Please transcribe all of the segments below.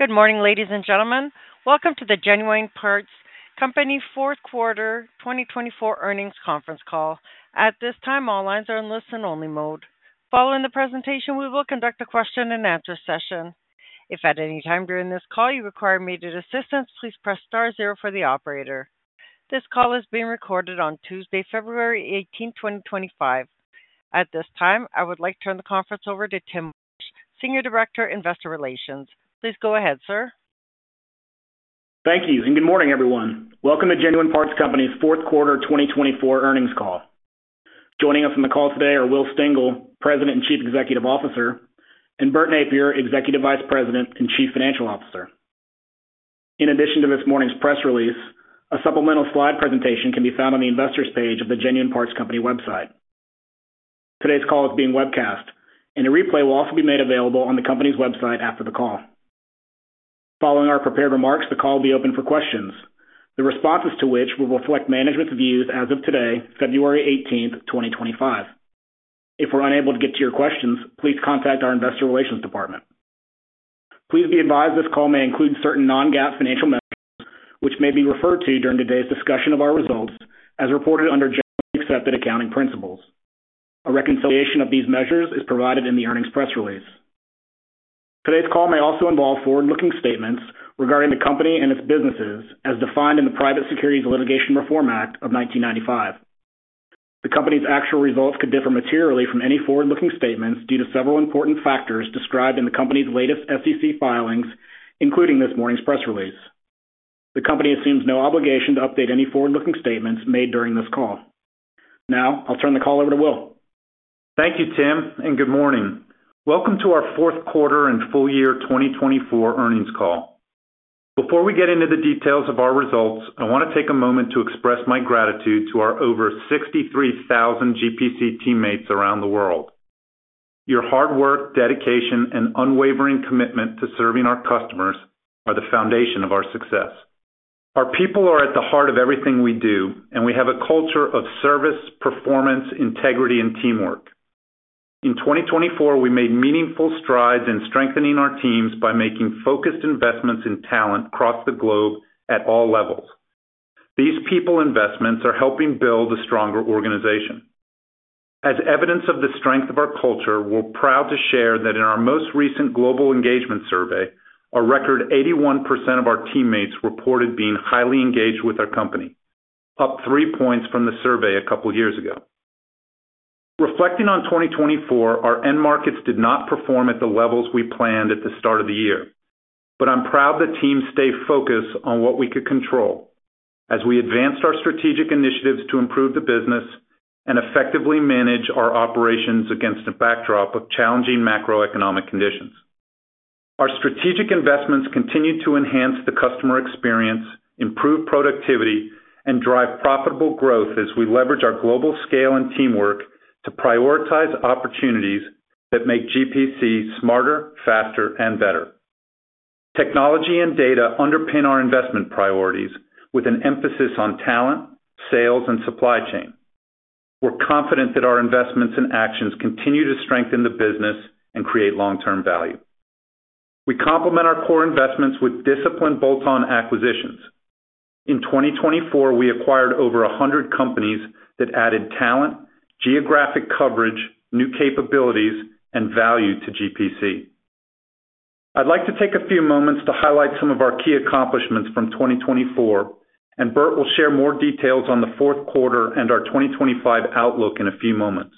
Good morning, ladies and gentlemen. Welcome to the Genuine Parts Company Fourth Quarter 2024 Earnings Conference Call. At this time, all lines are in listen-only mode. Following the presentation, we will conduct a question-and-answer session. If at any time during this call you require immediate assistance, please press star zero for the operator. This call is being recorded on Tuesday, February 18, 2025. At this time, I would like to turn the conference over to Tim Walsh, Senior Director, Investor Relations. Please go ahead, sir. Thank you, and good morning, everyone. Welcome to Genuine Parts Company's Fourth Quarter 2024 Earnings Call. Joining us on the call today are Will Stengel, President and Chief Executive Officer, and Bert Nappier, Executive Vice President and Chief Financial Officer. In addition to this morning's press release, a supplemental slide presentation can be found on the Investors' page of the Genuine Parts Company website. Today's call is being webcast, and a replay will also be made available on the company's website after the call. Following our prepared remarks, the call will be open for questions, the responses to which will reflect management's views as of today, February 18, 2025. If we're unable to get to your questions, please contact our Investor Relations Department. Please be advised this call may include certain non-GAAP financial measures, which may be referred to during today's discussion of our results as reported under generally accepted accounting principles. A reconciliation of these measures is provided in the earnings press release. Today's call may also involve forward-looking statements regarding the company and its businesses as defined in the Private Securities Litigation Reform Act of 1995. The company's actual results could differ materially from any forward-looking statements due to several important factors described in the company's latest SEC filings, including this morning's press release. The company assumes no obligation to update any forward-looking statements made during this call. Now, I'll turn the call over to Will. Thank you, Tim, and good morning. Welcome to our Fourth Quarter and Full Year 2024 Earnings Call. Before we get into the details of our results, I want to take a moment to express my gratitude to our over 63,000 GPC teammates around the world. Your hard work, dedication, and unwavering commitment to serving our customers are the foundation of our success. Our people are at the heart of everything we do, and we have a culture of service, performance, integrity, and teamwork. In 2024, we made meaningful strides in strengthening our teams by making focused investments in talent across the globe at all levels. These people investments are helping build a stronger organization. As evidence of the strength of our culture, we're proud to share that in our most recent global engagement survey, a record 81% of our teammates reported being highly engaged with our company, up three points from the survey a couple of years ago. Reflecting on 2024, our end markets did not perform at the levels we planned at the start of the year, but I'm proud the team stayed focused on what we could control as we advanced our strategic initiatives to improve the business and effectively manage our operations against a backdrop of challenging macroeconomic conditions. Our strategic investments continue to enhance the customer experience, improve productivity, and drive profitable growth as we leverage our global scale and teamwork to prioritize opportunities that make GPC smarter, faster, and better. Technology and data underpin our investment priorities with an emphasis on talent, sales, and supply chain. We're confident that our investments and actions continue to strengthen the business and create long-term value. We complement our core investments with disciplined bolt-on acquisitions. In 2024, we acquired over 100 companies that added talent, geographic coverage, new capabilities, and value to GPC. I'd like to take a few moments to highlight some of our key accomplishments from 2024, and Bert will share more details on the fourth quarter and our 2025 outlook in a few moments.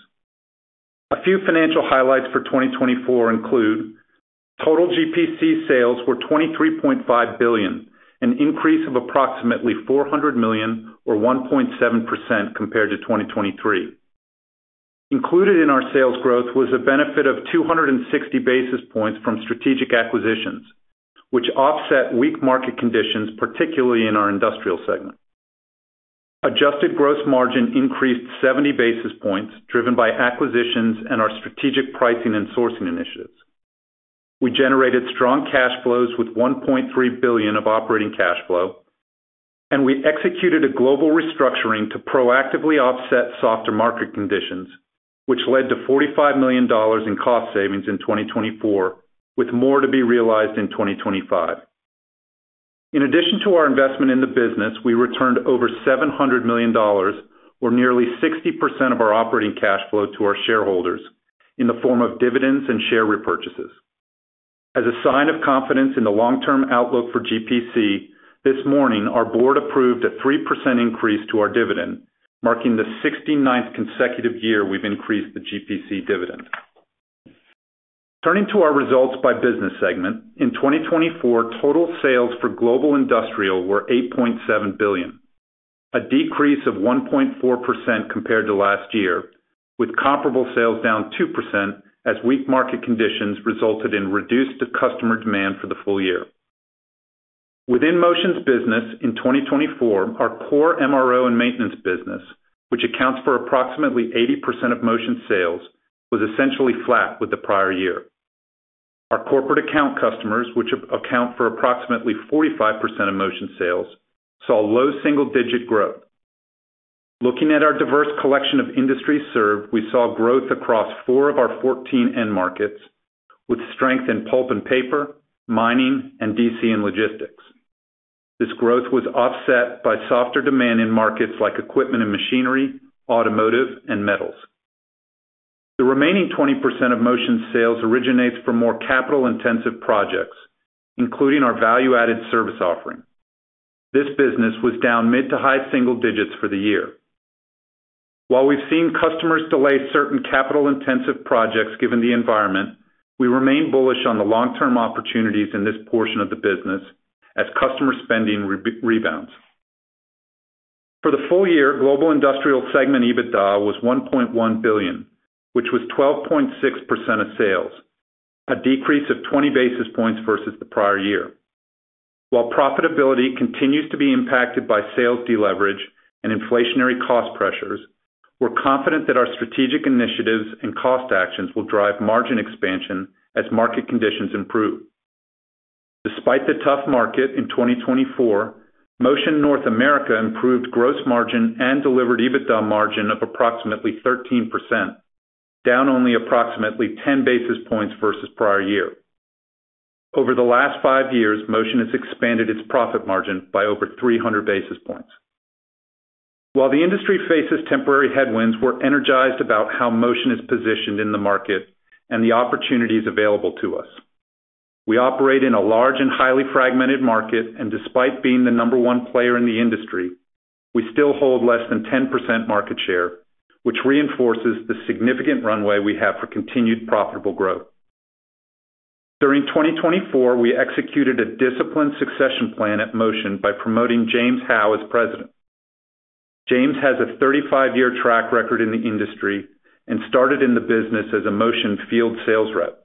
A few financial highlights for 2024 include total GPC sales were $23.5 billion, an increase of approximately $400 million, or 1.7% compared to 2023. Included in our sales growth was a benefit of 260 basis points from strategic acquisitions, which offset weak market conditions, particularly in our Industrial segment. Adjusted gross margin increased 70 basis points, driven by acquisitions and our strategic pricing and sourcing initiatives. We generated strong cash flows with $1.3 billion of operating cash flow, and we executed a global restructuring to proactively offset softer market conditions, which led to $45 million in cost savings in 2024, with more to be realized in 2025. In addition to our investment in the business, we returned over $700 million, or nearly 60% of our operating cash flow, to our shareholders in the form of dividends and share repurchases. As a sign of confidence in the long-term outlook for GPC, this morning, our board approved a 3% increase to our dividend, marking the 69th consecutive year we've increased the GPC dividend. Turning to our results by business segment, in 2024, total sales for Global Industrial were $8.7 billion, a decrease of 1.4% compared to last year, with comparable sales down 2% as weak market conditions resulted in reduced customer demand for the full year. Within Motion's business in 2024, our core MRO and maintenance business, which accounts for approximately 80% of Motion's sales, was essentially flat with the prior year. Our corporate account customers, which account for approximately 45% of Motion's sales, saw low single-digit growth. Looking at our diverse collection of industries served, we saw growth across four of our 14 end markets, with strength in pulp and paper, mining, and DC and logistics. This growth was offset by softer demand in markets like equipment and machinery, automotive, and metals. The remaining 20% of Motion's sales originates from more capital-intensive projects, including our value-added service offering. This business was down mid to high single digits for the year. While we've seen customers delay certain capital-intensive projects given the environment, we remain bullish on the long-term opportunities in this portion of the business as customer spending rebounds. For the full year, Global Industrial segment EBITDA was $1.1 billion, which was 12.6% of sales, a decrease of 20 basis points versus the prior year. While profitability continues to be impacted by sales deleverage and inflationary cost pressures, we're confident that our strategic initiatives and cost actions will drive margin expansion as market conditions improve. Despite the tough market in 2024, Motion North America improved gross margin and delivered EBITDA margin of approximately 13%, down only approximately 10 basis points versus prior year. Over the last five years, Motion has expanded its profit margin by over 300 basis points. While the industry faces temporary headwinds, we're energized about how Motion is positioned in the market and the opportunities available to us. We operate in a large and highly fragmented market, and despite being the number one player in the industry, we still hold less than 10% market share, which reinforces the significant runway we have for continued profitable growth. During 2024, we executed a disciplined succession plan at Motion by promoting James Howe as president. James has a 35-year track record in the industry and started in the business as a Motion field sales rep.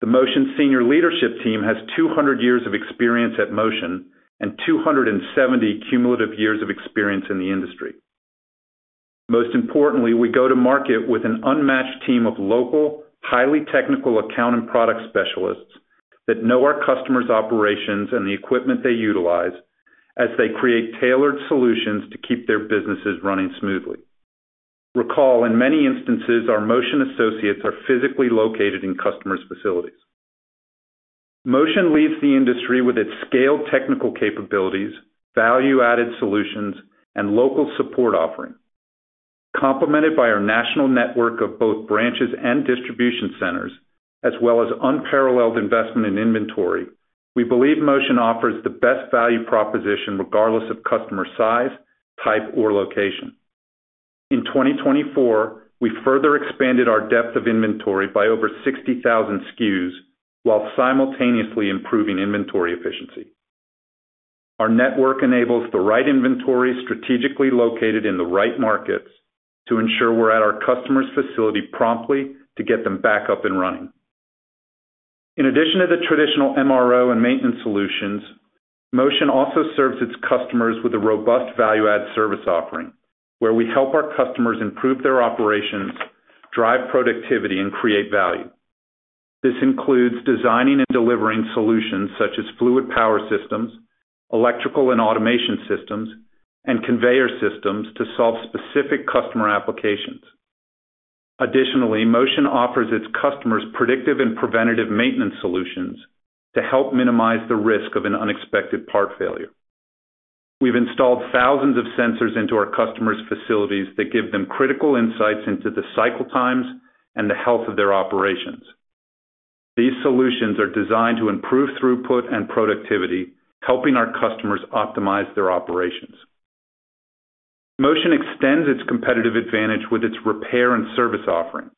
The Motion Senior Leadership team has 200 years of experience at Motion and 270 cumulative years of experience in the industry. Most importantly, we go to market with an unmatched team of local, highly technical account and product specialists that know our customers' operations and the equipment they utilize as they create tailored solutions to keep their businesses running smoothly. Recall, in many instances, our Motion associates are physically located in customers' facilities. Motion leads the industry with its scaled technical capabilities, value-added solutions, and local support offering. Complemented by our national network of both branches and distribution centers, as well as unparalleled investment in inventory, we believe Motion offers the best value proposition regardless of customer size, type, or location. In 2024, we further expanded our depth of inventory by over 60,000 SKUs while simultaneously improving inventory efficiency. Our network enables the right inventory strategically located in the right markets to ensure we're at our customers' facility promptly to get them back up and running. In addition to the traditional MRO and maintenance solutions, Motion also serves its customers with a robust value-added service offering where we help our customers improve their operations, drive productivity, and create value. This includes designing and delivering solutions such as fluid power systems, electrical and automation systems, and conveyor systems to solve specific customer applications. Additionally, Motion offers its customers predictive and preventative maintenance solutions to help minimize the risk of an unexpected part failure. We've installed thousands of sensors into our customers' facilities that give them critical insights into the cycle times and the health of their operations. These solutions are designed to improve throughput and productivity, helping our customers optimize their operations. Motion extends its competitive advantage with its repair and service offering,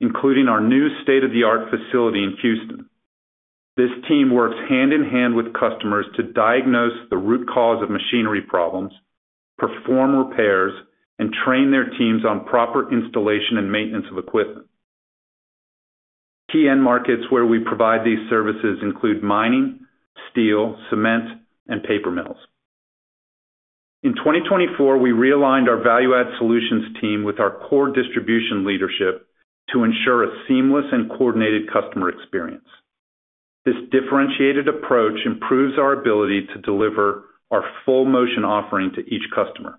including our new state-of-the-art facility in Houston. This team works hand in hand with customers to diagnose the root cause of machinery problems, perform repairs, and train their teams on proper installation and maintenance of equipment. Key end markets where we provide these services include mining, steel, cement, and paper mills. In 2024, we realigned our value-added solutions team with our core distribution leadership to ensure a seamless and coordinated customer experience. This differentiated approach improves our ability to deliver our full Motion offering to each customer.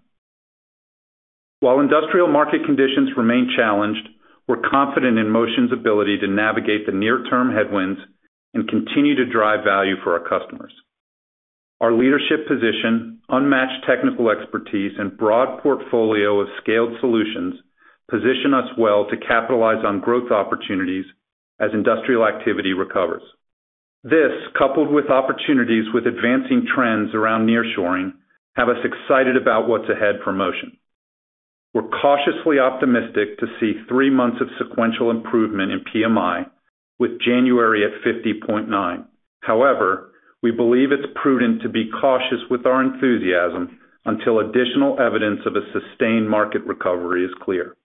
While industrial market conditions remain challenged, we're confident in Motion's ability to navigate the near-term headwinds and continue to drive value for our customers. Our leadership position, unmatched technical expertise, and broad portfolio of scaled solutions position us well to capitalize on growth opportunities as industrial activity recovers. This, coupled with opportunities with advancing trends around nearshoring, have us excited about what's ahead for Motion. We're cautiously optimistic to see three months of sequential improvement in PMI, with January at 50.9. However, we believe it's prudent to be cautious with our enthusiasm until additional evidence of a sustained market recovery is clear.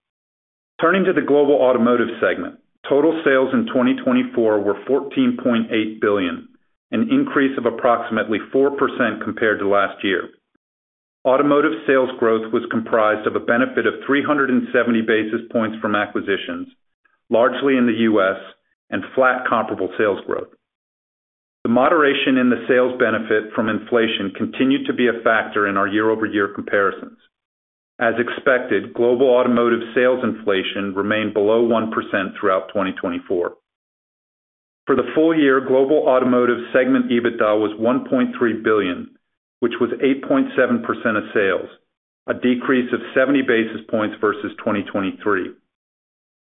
Turning to the Global Automotive segment, total sales in 2024 were $14.8 billion, an increase of approximately 4% compared to last year. Automotive sales growth was comprised of a benefit of 370 basis points from acquisitions, largely in the U.S., and flat comparable sales growth. The moderation in the sales benefit from inflation continued to be a factor in our year-over-year comparisons. As expected, Global Automotive sales inflation remained below 1% throughout 2024. For the full year, Global Automotive segment EBITDA was $1.3 billion, which was 8.7% of sales, a decrease of 70 basis points versus 2023.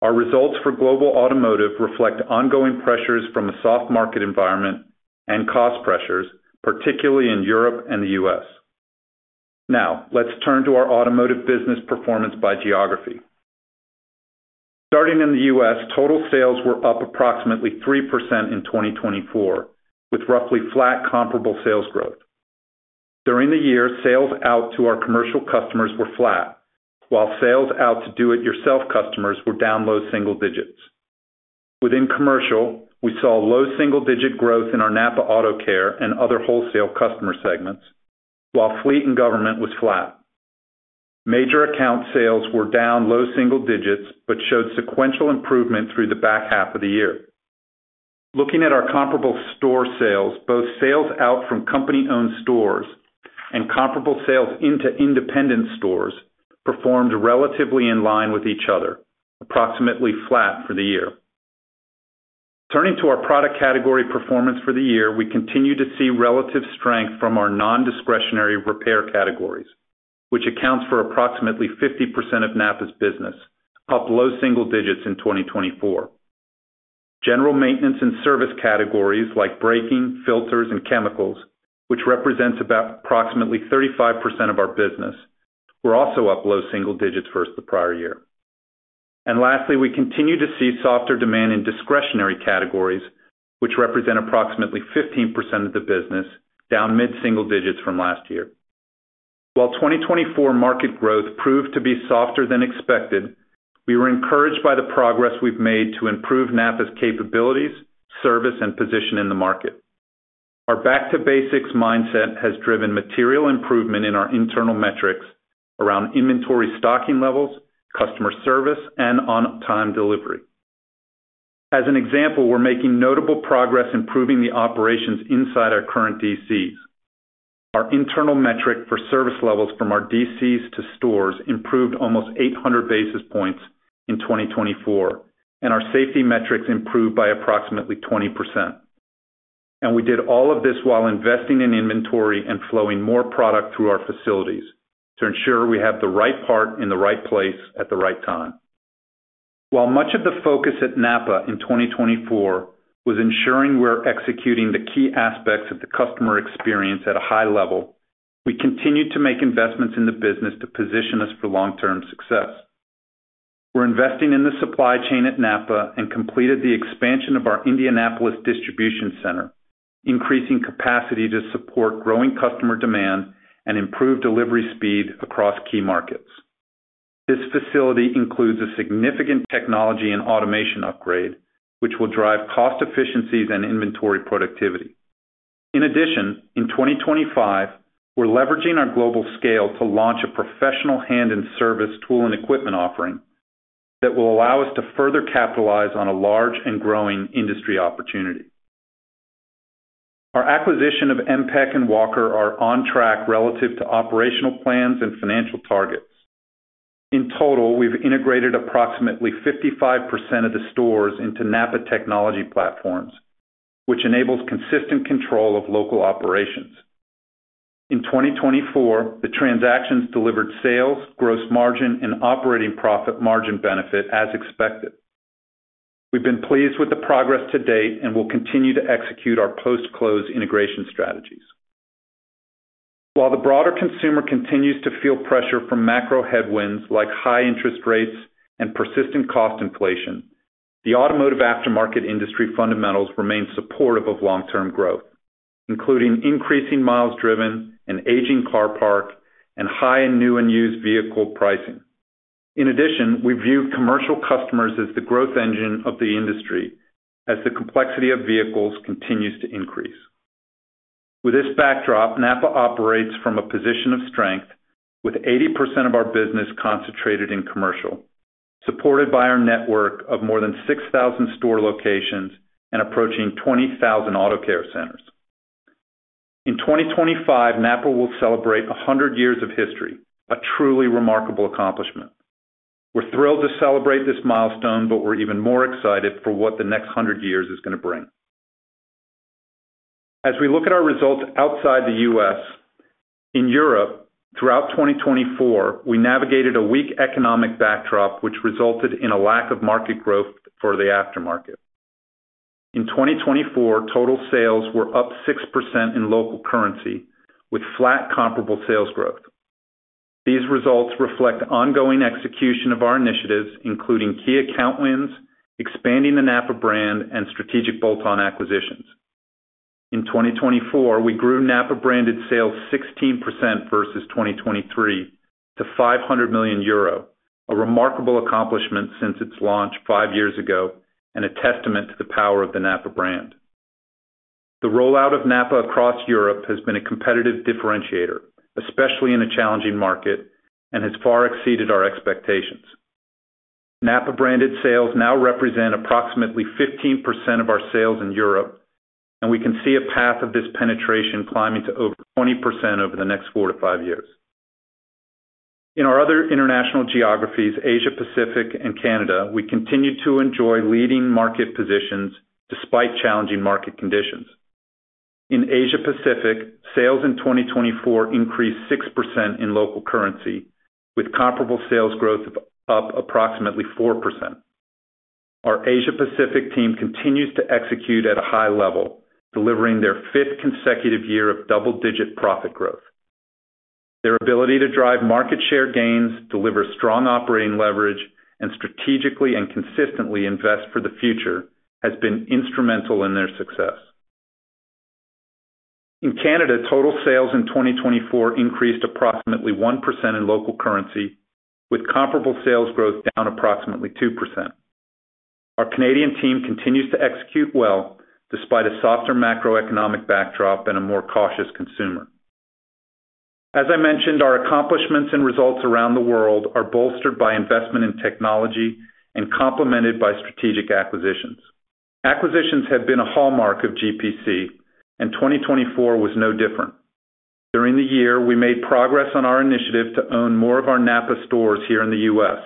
Our results for Global Automotive reflect ongoing pressures from a soft market environment and cost pressures, particularly in Europe and the U.S. Now, let's turn to our Automotive business performance by geography. Starting in the U.S., total sales were up approximately 3% in 2024, with roughly flat comparable sales growth. During the year, sales out to our commercial customers were flat, while sales out to do-it-yourself customers were down low single digits. Within commercial, we saw low single-digit growth in our NAPA Auto Care and other wholesale customer segments, while fleet and government was flat. Major account sales were down low single digits but showed sequential improvement through the back half of the year. Looking at our comparable store sales, both sales out from company-owned stores and comparable sales into independent stores performed relatively in line with each other, approximately flat for the year. Turning to our product category performance for the year, we continue to see relative strength from our non-discretionary repair categories, which accounts for approximately 50% of NAPA's business, up low single digits in 2024. General maintenance and service categories like braking, filters, and chemicals, which represents approximately 35% of our business, were also up low single digits versus the prior year. And lastly, we continue to see softer demand in discretionary categories, which represent approximately 15% of the business, down mid single digits from last year. While 2024 market growth proved to be softer than expected, we were encouraged by the progress we've made to improve NAPA's capabilities, service, and position in the market. Our back-to-basics mindset has driven material improvement in our internal metrics around inventory stocking levels, customer service, and on-time delivery. As an example, we're making notable progress improving the operations inside our current DCs. Our internal metric for service levels from our DCs to stores improved almost 800 basis points in 2024, and our safety metrics improved by approximately 20%. And we did all of this while investing in inventory and flowing more product through our facilities to ensure we have the right part in the right place at the right time. While much of the focus at NAPA in 2024 was ensuring we're executing the key aspects of the customer experience at a high level, we continued to make investments in the business to position us for long-term success. We're investing in the supply chain at NAPA and completed the expansion of our Indianapolis distribution center, increasing capacity to support growing customer demand and improve delivery speed across key markets. This facility includes a significant technology and automation upgrade, which will drive cost efficiencies and inventory productivity. In addition, in 2025, we're leveraging our global scale to launch a professional hand and service tool and equipment offering that will allow us to further capitalize on a large and growing industry opportunity. Our acquisition of MPEC and Walker are on track relative to operational plans and financial targets. In total, we've integrated approximately 55% of the stores into NAPA technology platforms, which enables consistent control of local operations. In 2024, the transactions delivered sales, gross margin, and operating profit margin benefit as expected. We've been pleased with the progress to date and will continue to execute our post-close integration strategies. While the broader consumer continues to feel pressure from macro headwinds like high interest rates and persistent cost inflation, the Automotive aftermarket industry fundamentals remain supportive of long-term growth, including increasing miles driven an aging car park and high and new and used vehicle pricing. In addition, we view commercial customers as the growth engine of the industry as the complexity of vehicles continues to increase. With this backdrop, NAPA operates from a position of strength with 80% of our business concentrated in commercial, supported by our network of more than 6,000 store locations and approaching 20,000 Auto Care centers. In 2025, NAPA will celebrate 100 years of history, a truly remarkable accomplishment. We're thrilled to celebrate this milestone, but we're even more excited for what the next 100 years is going to bring. As we look at our results outside the U.S., in Europe, throughout 2024, we navigated a weak economic backdrop, which resulted in a lack of market growth for the aftermarket. In 2024, total sales were up 6% in local currency, with flat comparable sales growth. These results reflect ongoing execution of our initiatives, including key account wins, expanding the NAPA brand, and strategic bolt-on acquisitions. In 2024, we grew NAPA branded sales 16% versus 2023 to 500 million euro, a remarkable accomplishment since its launch five years ago and a testament to the power of the NAPA brand. The rollout of NAPA across Europe has been a competitive differentiator, especially in a challenging market, and has far exceeded our expectations. NAPA branded sales now represent approximately 15% of our sales in Europe, and we can see a path of this penetration climbing to over 20% over the next four to five years. In our other international geographies, Asia Pacific and Canada, we continue to enjoy leading market positions despite challenging market conditions. In Asia Pacific, sales in 2024 increased 6% in local currency, with comparable sales growth of up approximately 4%. Our Asia Pacific team continues to execute at a high level, delivering their fifth consecutive year of double-digit profit growth. Their ability to drive market share gains, deliver strong operating leverage, and strategically and consistently invest for the future has been instrumental in their success. In Canada, total sales in 2024 increased approximately 1% in local currency, with comparable sales growth down approximately 2%. Our Canadian team continues to execute well despite a softer macroeconomic backdrop and a more cautious consumer. As I mentioned, our accomplishments and results around the world are bolstered by investment in technology and complemented by strategic acquisitions. Acquisitions have been a hallmark of GPC, and 2024 was no different. During the year, we made progress on our initiative to own more of our NAPA stores here in the U.S.,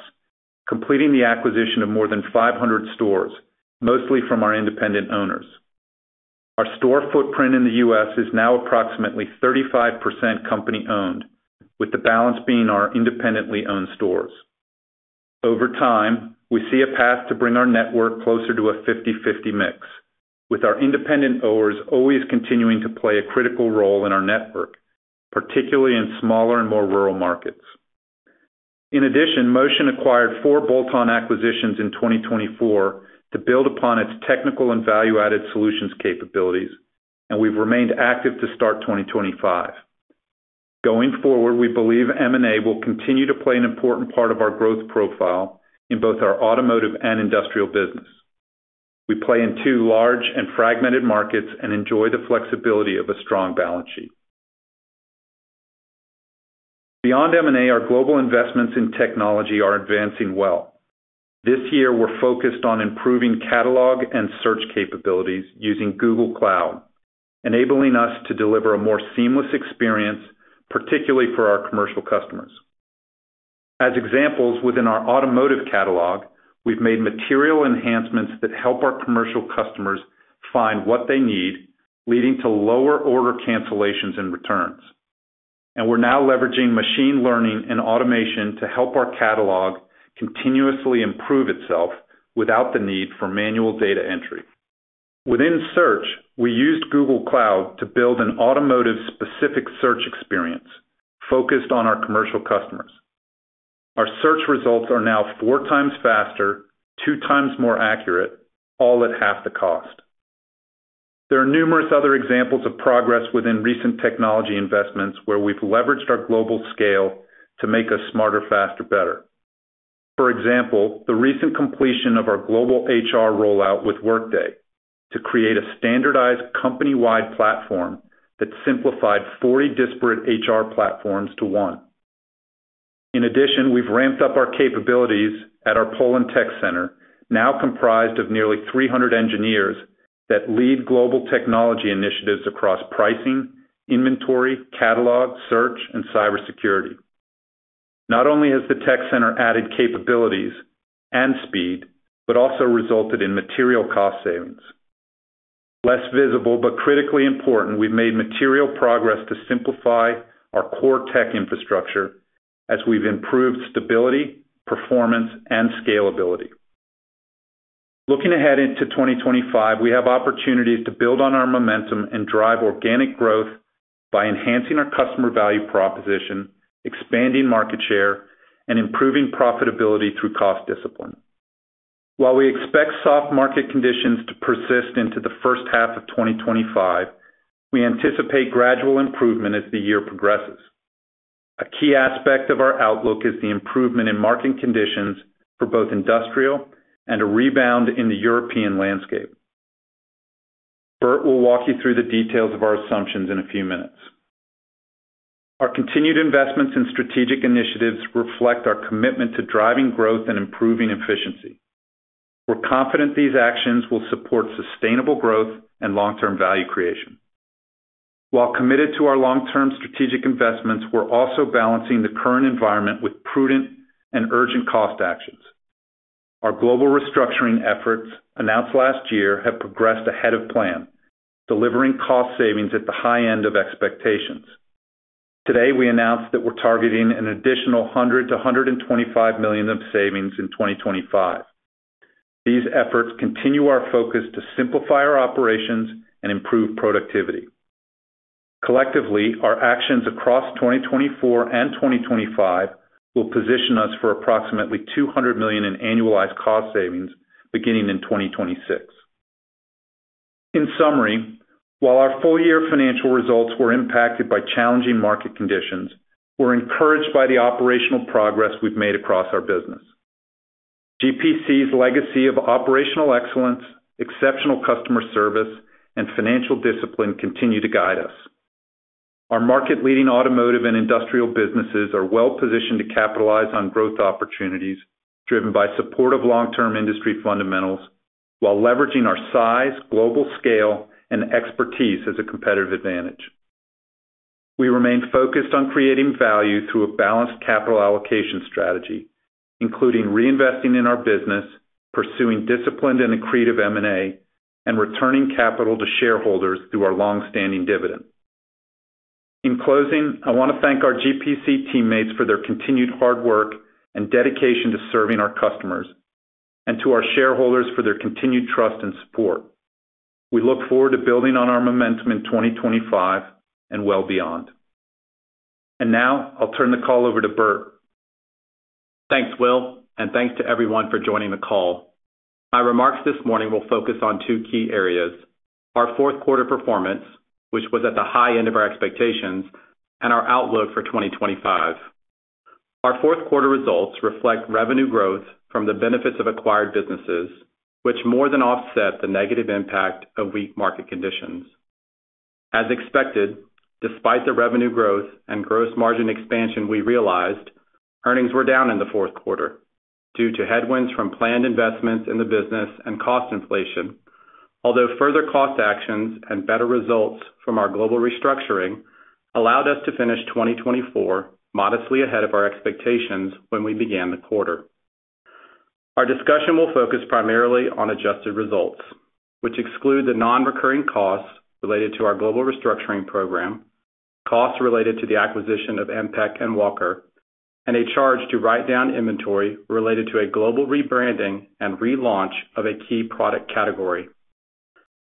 completing the acquisition of more than 500 stores, mostly from our independent owners. Our store footprint in the U.S. is now approximately 35% company-owned, with the balance being our independently owned stores. Over time, we see a path to bring our network closer to a 50/50 mix, with our independent owners always continuing to play a critical role in our network, particularly in smaller and more rural markets. In addition, Motion acquired four bolt-on acquisitions in 2024 to build upon its technical and value-added solutions capabilities, and we've remained active to start 2025. Going forward, we believe M&A will continue to play an important part of our growth profile in both our Automotive and Industrial business. We play in two large and fragmented markets and enjoy the flexibility of a strong balance sheet. Beyond M&A, our global investments in technology are advancing well. This year, we're focused on improving catalog and search capabilities using Google Cloud, enabling us to deliver a more seamless experience, particularly for our commercial customers. As examples, within our Automotive catalog, we've made material enhancements that help our commercial customers find what they need, leading to lower order cancellations and returns, and we're now leveraging machine learning and automation to help our catalog continuously improve itself without the need for manual data entry. Within search, we used Google Cloud to build an automotive-specific search experience focused on our commercial customers. Our search results are now four times faster, two times more accurate, all at half the cost. There are numerous other examples of progress within recent technology investments where we've leveraged our global scale to make us smarter, faster, better. For example, the recent completion of our global HR rollout with Workday to create a standardized company-wide platform that simplified 40 disparate HR platforms to one. In addition, we've ramped up our capabilities at our Poland Tech Center, now comprised of nearly 300 engineers that lead global technology initiatives across pricing, inventory, catalog, search, and cybersecurity. Not only has the tech center added capabilities and speed, but also resulted in material cost savings. Less visible, but critically important, we've made material progress to simplify our core tech infrastructure as we've improved stability, performance, and scalability. Looking ahead into 2025, we have opportunities to build on our momentum and drive organic growth by enhancing our customer value proposition, expanding market share, and improving profitability through cost discipline. While we expect soft market conditions to persist into the first half of 2025, we anticipate gradual improvement as the year progresses. A key aspect of our outlook is the improvement in market conditions for both Industrial and a rebound in the European landscape. Bert will walk you through the details of our assumptions in a few minutes. Our continued investments and strategic initiatives reflect our commitment to driving growth and improving efficiency. We're confident these actions will support sustainable growth and long-term value creation. While committed to our long-term strategic investments, we're also balancing the current environment with prudent and urgent cost actions. Our global restructuring efforts announced last year have progressed ahead of plan, delivering cost savings at the high end of expectations. Today, we announced that we're targeting an additional $100 million-$125 million of savings in 2025. These efforts continue our focus to simplify our operations and improve productivity. Collectively, our actions across 2024 and 2025 will position us for approximately $200 million in annualized cost savings beginning in 2026. In summary, while our full-year financial results were impacted by challenging market conditions, we're encouraged by the operational progress we've made across our business. GPC's legacy of operational excellence, exceptional customer service, and financial discipline continue to guide us. Our market-leading Automotive and Industrial businesses are well-positioned to capitalize on growth opportunities driven by supportive long-term industry fundamentals while leveraging our size, global scale, and expertise as a competitive advantage. We remain focused on creating value through a balanced capital allocation strategy, including reinvesting in our business, pursuing disciplined and accretive M&A, and returning capital to shareholders through our long-standing dividend. In closing, I want to thank our GPC teammates for their continued hard work and dedication to serving our customers, and to our shareholders for their continued trust and support. We look forward to building on our momentum in 2025 and well beyond. Now, I'll turn the call over to Bert. Thanks, Will, and thanks to everyone for joining the call. My remarks this morning will focus on two key areas: our fourth quarter performance, which was at the high end of our expectations, and our outlook for 2025. Our fourth quarter results reflect revenue growth from the benefits of acquired businesses, which more than offset the negative impact of weak market conditions. As expected, despite the revenue growth and gross margin expansion we realized, earnings were down in the fourth quarter due to headwinds from planned investments in the business and cost inflation, although further cost actions and better results from our global restructuring allowed us to finish 2024 modestly ahead of our expectations when we began the quarter. Our discussion will focus primarily on adjusted results, which exclude the non-recurring costs related to our global restructuring program, costs related to the acquisition of MPEC and Walker, and a charge to write down inventory related to a global rebranding and relaunch of a key product category.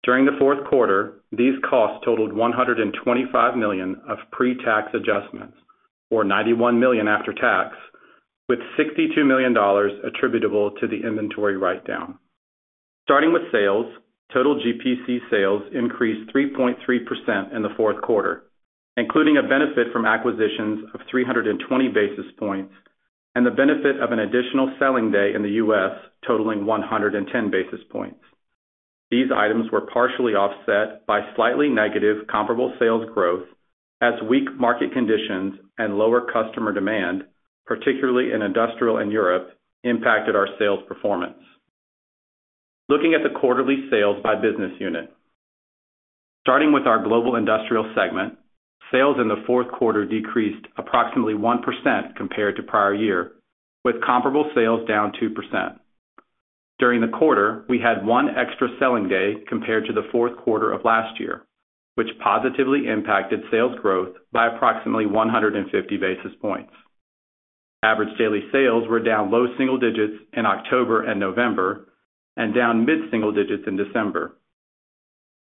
During the fourth quarter, these costs totaled $125 million of pre-tax adjustments, or $91 million after tax, with $62 million attributable to the inventory write-down. Starting with sales, total GPC sales increased 3.3% in the fourth quarter, including a benefit from acquisitions of 320 basis points and the benefit of an additional selling day in the U.S., totaling 110 basis points. These items were partially offset by slightly negative comparable sales growth as weak market conditions and lower customer demand, particularly in Industrial and Europe, impacted our sales performance. Looking at the quarterly sales by business unit, starting with our Global Industrial segment, sales in the fourth quarter decreased approximately 1% compared to prior year, with comparable sales down 2%. During the quarter, we had one extra selling day compared to the fourth quarter of last year, which positively impacted sales growth by approximately 150 basis points. Average daily sales were down low single digits in October and November and down mid-single digits in December.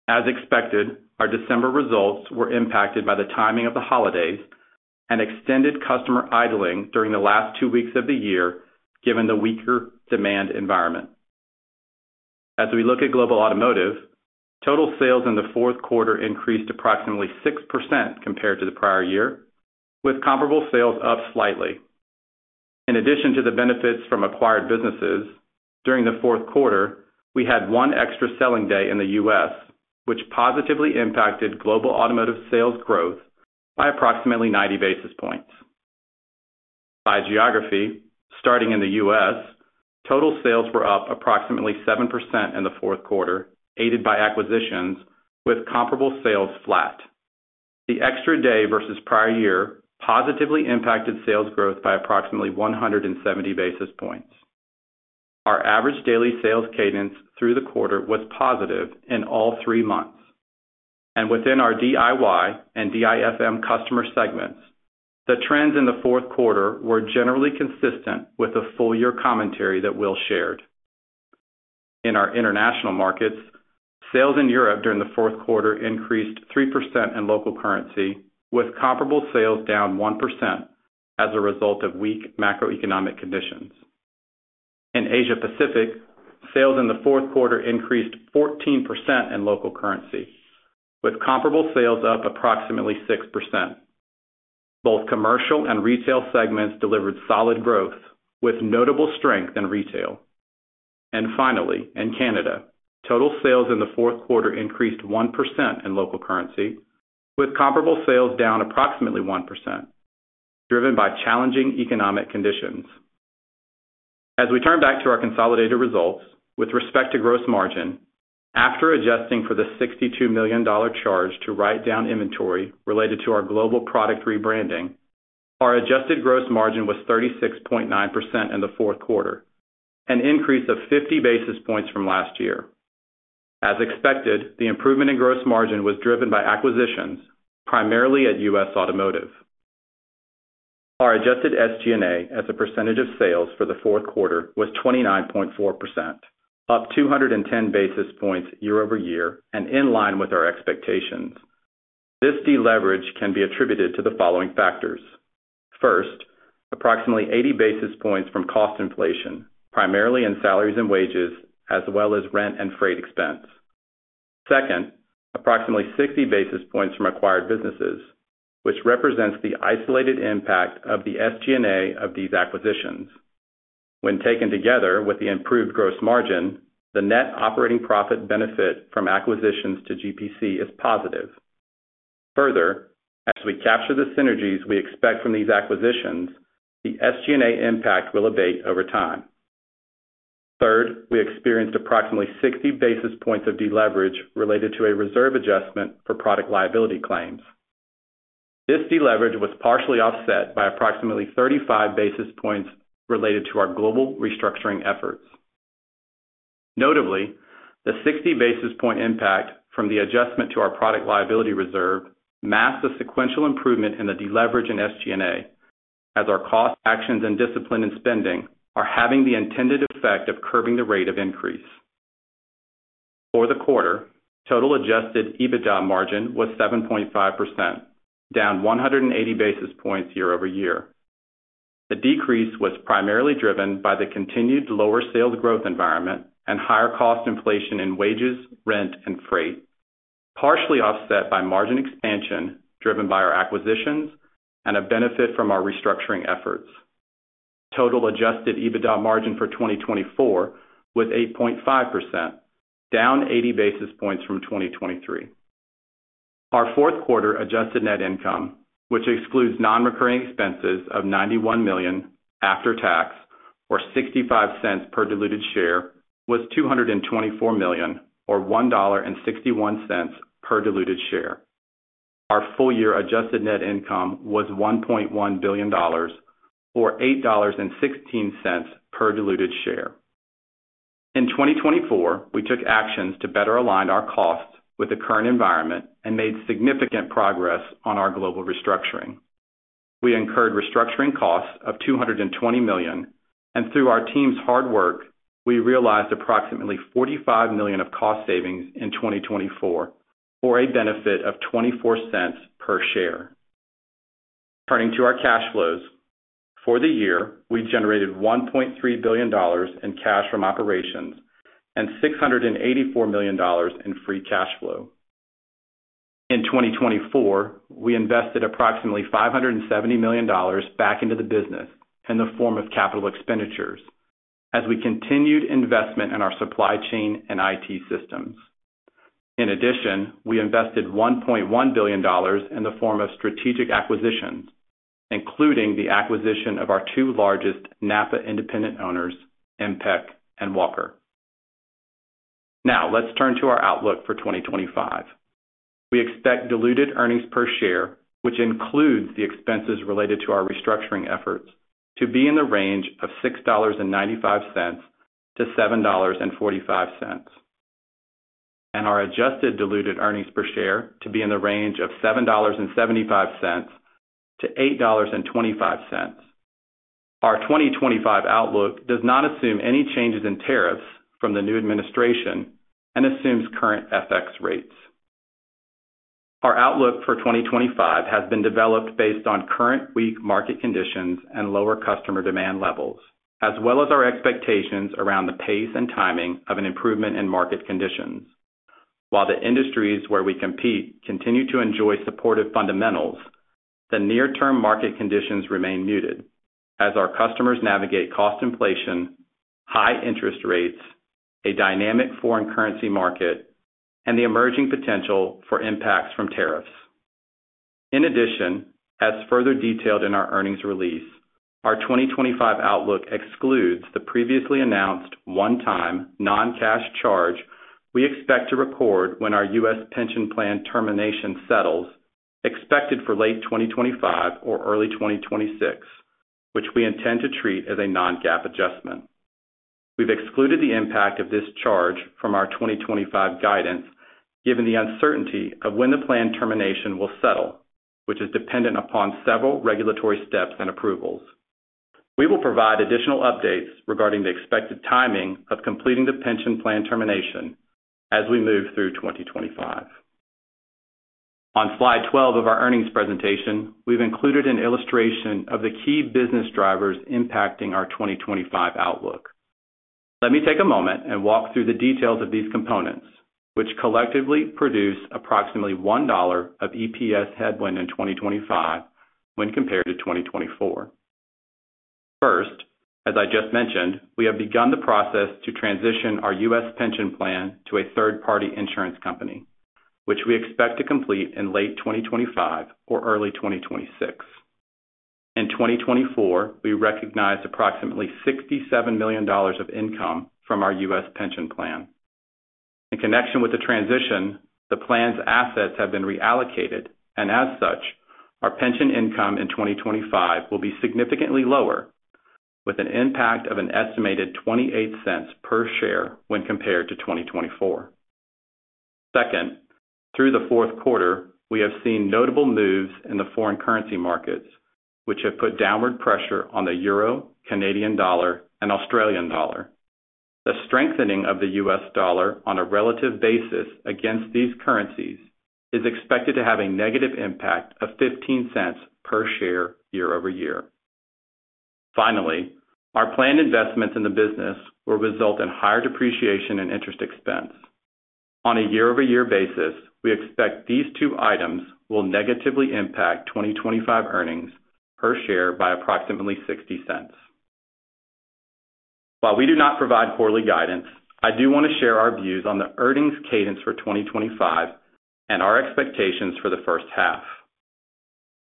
As expected, our December results were impacted by the timing of the holidays and extended customer idling during the last two weeks of the year, given the weaker demand environment. As we look at Global Automotive, total sales in the fourth quarter increased approximately 6% compared to the prior year, with comparable sales up slightly. In addition to the benefits from acquired businesses, during the fourth quarter, we had one extra selling day in the U.S., which positively impacted Global Automotive sales growth by approximately 90 basis points. By geography, starting in the U.S., total sales were up approximately 7% in the fourth quarter, aided by acquisitions, with comparable sales flat. The extra day versus prior year positively impacted sales growth by approximately 170 basis points. Our average daily sales cadence through the quarter was positive in all three months, and within our DIY and DIFM customer segments, the trends in the fourth quarter were generally consistent with the full-year commentary that Will shared. In our international markets, sales in Europe during the fourth quarter increased 3% in local currency, with comparable sales down 1% as a result of weak macroeconomic conditions. In Asia Pacific, sales in the fourth quarter increased 14% in local currency, with comparable sales up approximately 6%. Both commercial and retail segments delivered solid growth, with notable strength in retail. Finally, in Canada, total sales in the fourth quarter increased 1% in local currency, with comparable sales down approximately 1%, driven by challenging economic conditions. As we turn back to our consolidated results, with respect to gross margin, after adjusting for the $62 million charge to write down inventory related to our global product rebranding, our adjusted gross margin was 36.9% in the fourth quarter, an increase of 50 basis points from last year. As expected, the improvement in gross margin was driven by acquisitions, primarily at U.S. Automotive. Our adjusted SG&A as a percentage of sales for the fourth quarter was 29.4%, up 210 basis points year over year and in line with our expectations. This deleverage can be attributed to the following factors. First, approximately 80 basis points from cost inflation, primarily in salaries and wages, as well as rent and freight expense. Second, approximately 60 basis points from acquired businesses, which represents the isolated impact of the SG&A of these acquisitions. When taken together with the improved gross margin, the net operating profit benefit from acquisitions to GPC is positive. Further, as we capture the synergies we expect from these acquisitions, the SG&A impact will abate over time. Third, we experienced approximately 60 basis points of deleverage related to a reserve adjustment for product liability claims. This deleverage was partially offset by approximately 35 basis points related to our global restructuring efforts. Notably, the 60 basis point impact from the adjustment to our product liability reserve masked the sequential improvement in the deleverage and SG&A, as our cost actions and discipline in spending are having the intended effect of curbing the rate of increase. For the quarter, total adjusted EBITDA margin was 7.5%, down 180 basis points year-over-year. The decrease was primarily driven by the continued lower sales growth environment and higher cost inflation in wages, rent, and freight, partially offset by margin expansion driven by our acquisitions and a benefit from our restructuring efforts. Total adjusted EBITDA margin for 2024 was 8.5%, down 80 basis points from 2023. Our fourth quarter adjusted net income, which excludes non-recurring expenses of $91 million after tax, or $0.65 per diluted share, was $224 million, or $1.61 per diluted share. Our full-year adjusted net income was $1.1 billion, or $8.16 per diluted share. In 2024, we took actions to better align our costs with the current environment and made significant progress on our global restructuring. We incurred restructuring costs of $220 million, and through our team's hard work, we realized approximately $45 million of cost savings in 2024, or a benefit of $0.24 per share. Turning to our cash flows, for the year, we generated $1.3 billion in cash from operations and $684 million in free cash flow. In 2024, we invested approximately $570 million back into the business in the form of capital expenditures, as we continued investment in our supply chain and IT systems. In addition, we invested $1.1 billion in the form of strategic acquisitions, including the acquisition of our two largest NAPA independent owners, MPEC and Walker. Now, let's turn to our outlook for 2025. We expect diluted earnings per share, which includes the expenses related to our restructuring efforts, to be in the range of $6.95-$7.45, and our adjusted diluted earnings per share to be in the range of $7.75-$8.25. Our 2025 outlook does not assume any changes in tariffs from the new administration and assumes current FX rates. Our outlook for 2025 has been developed based on current weak market conditions and lower customer demand levels, as well as our expectations around the pace and timing of an improvement in market conditions. While the industries where we compete continue to enjoy supportive fundamentals, the near-term market conditions remain muted, as our customers navigate cost inflation, high interest rates, a dynamic foreign currency market, and the emerging potential for impacts from tariffs. In addition, as further detailed in our earnings release, our 2025 outlook excludes the previously announced one-time non-cash charge we expect to record when our U.S. pension plan termination settles, expected for late 2025 or early 2026, which we intend to treat as a non-GAAP adjustment. We've excluded the impact of this charge from our 2025 guidance, given the uncertainty of when the planned termination will settle, which is dependent upon several regulatory steps and approvals. We will provide additional updates regarding the expected timing of completing the pension plan termination as we move through 2025. On slide 12 of our earnings presentation, we've included an illustration of the key business drivers impacting our 2025 outlook. Let me take a moment and walk through the details of these components, which collectively produce approximately $1 of EPS headwind in 2025 when compared to 2024. First, as I just mentioned, we have begun the process to transition our U.S. pension plan to a third-party insurance company, which we expect to complete in late 2025 or early 2026. In 2024, we recognized approximately $67 million of income from our U.S. pension plan. In connection with the transition, the plan's assets have been reallocated, and as such, our pension income in 2025 will be significantly lower, with an impact of an estimated $0.28 per share when compared to 2024. Second, through the fourth quarter, we have seen notable moves in the foreign currency markets, which have put downward pressure on the euro, Canadian dollar, and Australian dollar. The strengthening of the U.S. dollar on a relative basis against these currencies is expected to have a negative impact of $0.15 per share year-over-year. Finally, our planned investments in the business will result in higher depreciation and interest expense. On a year-over-year basis, we expect these two items will negatively impact 2025 earnings per share by approximately $0.60. While we do not provide quarterly guidance, I do want to share our views on the earnings cadence for 2025 and our expectations for the first half.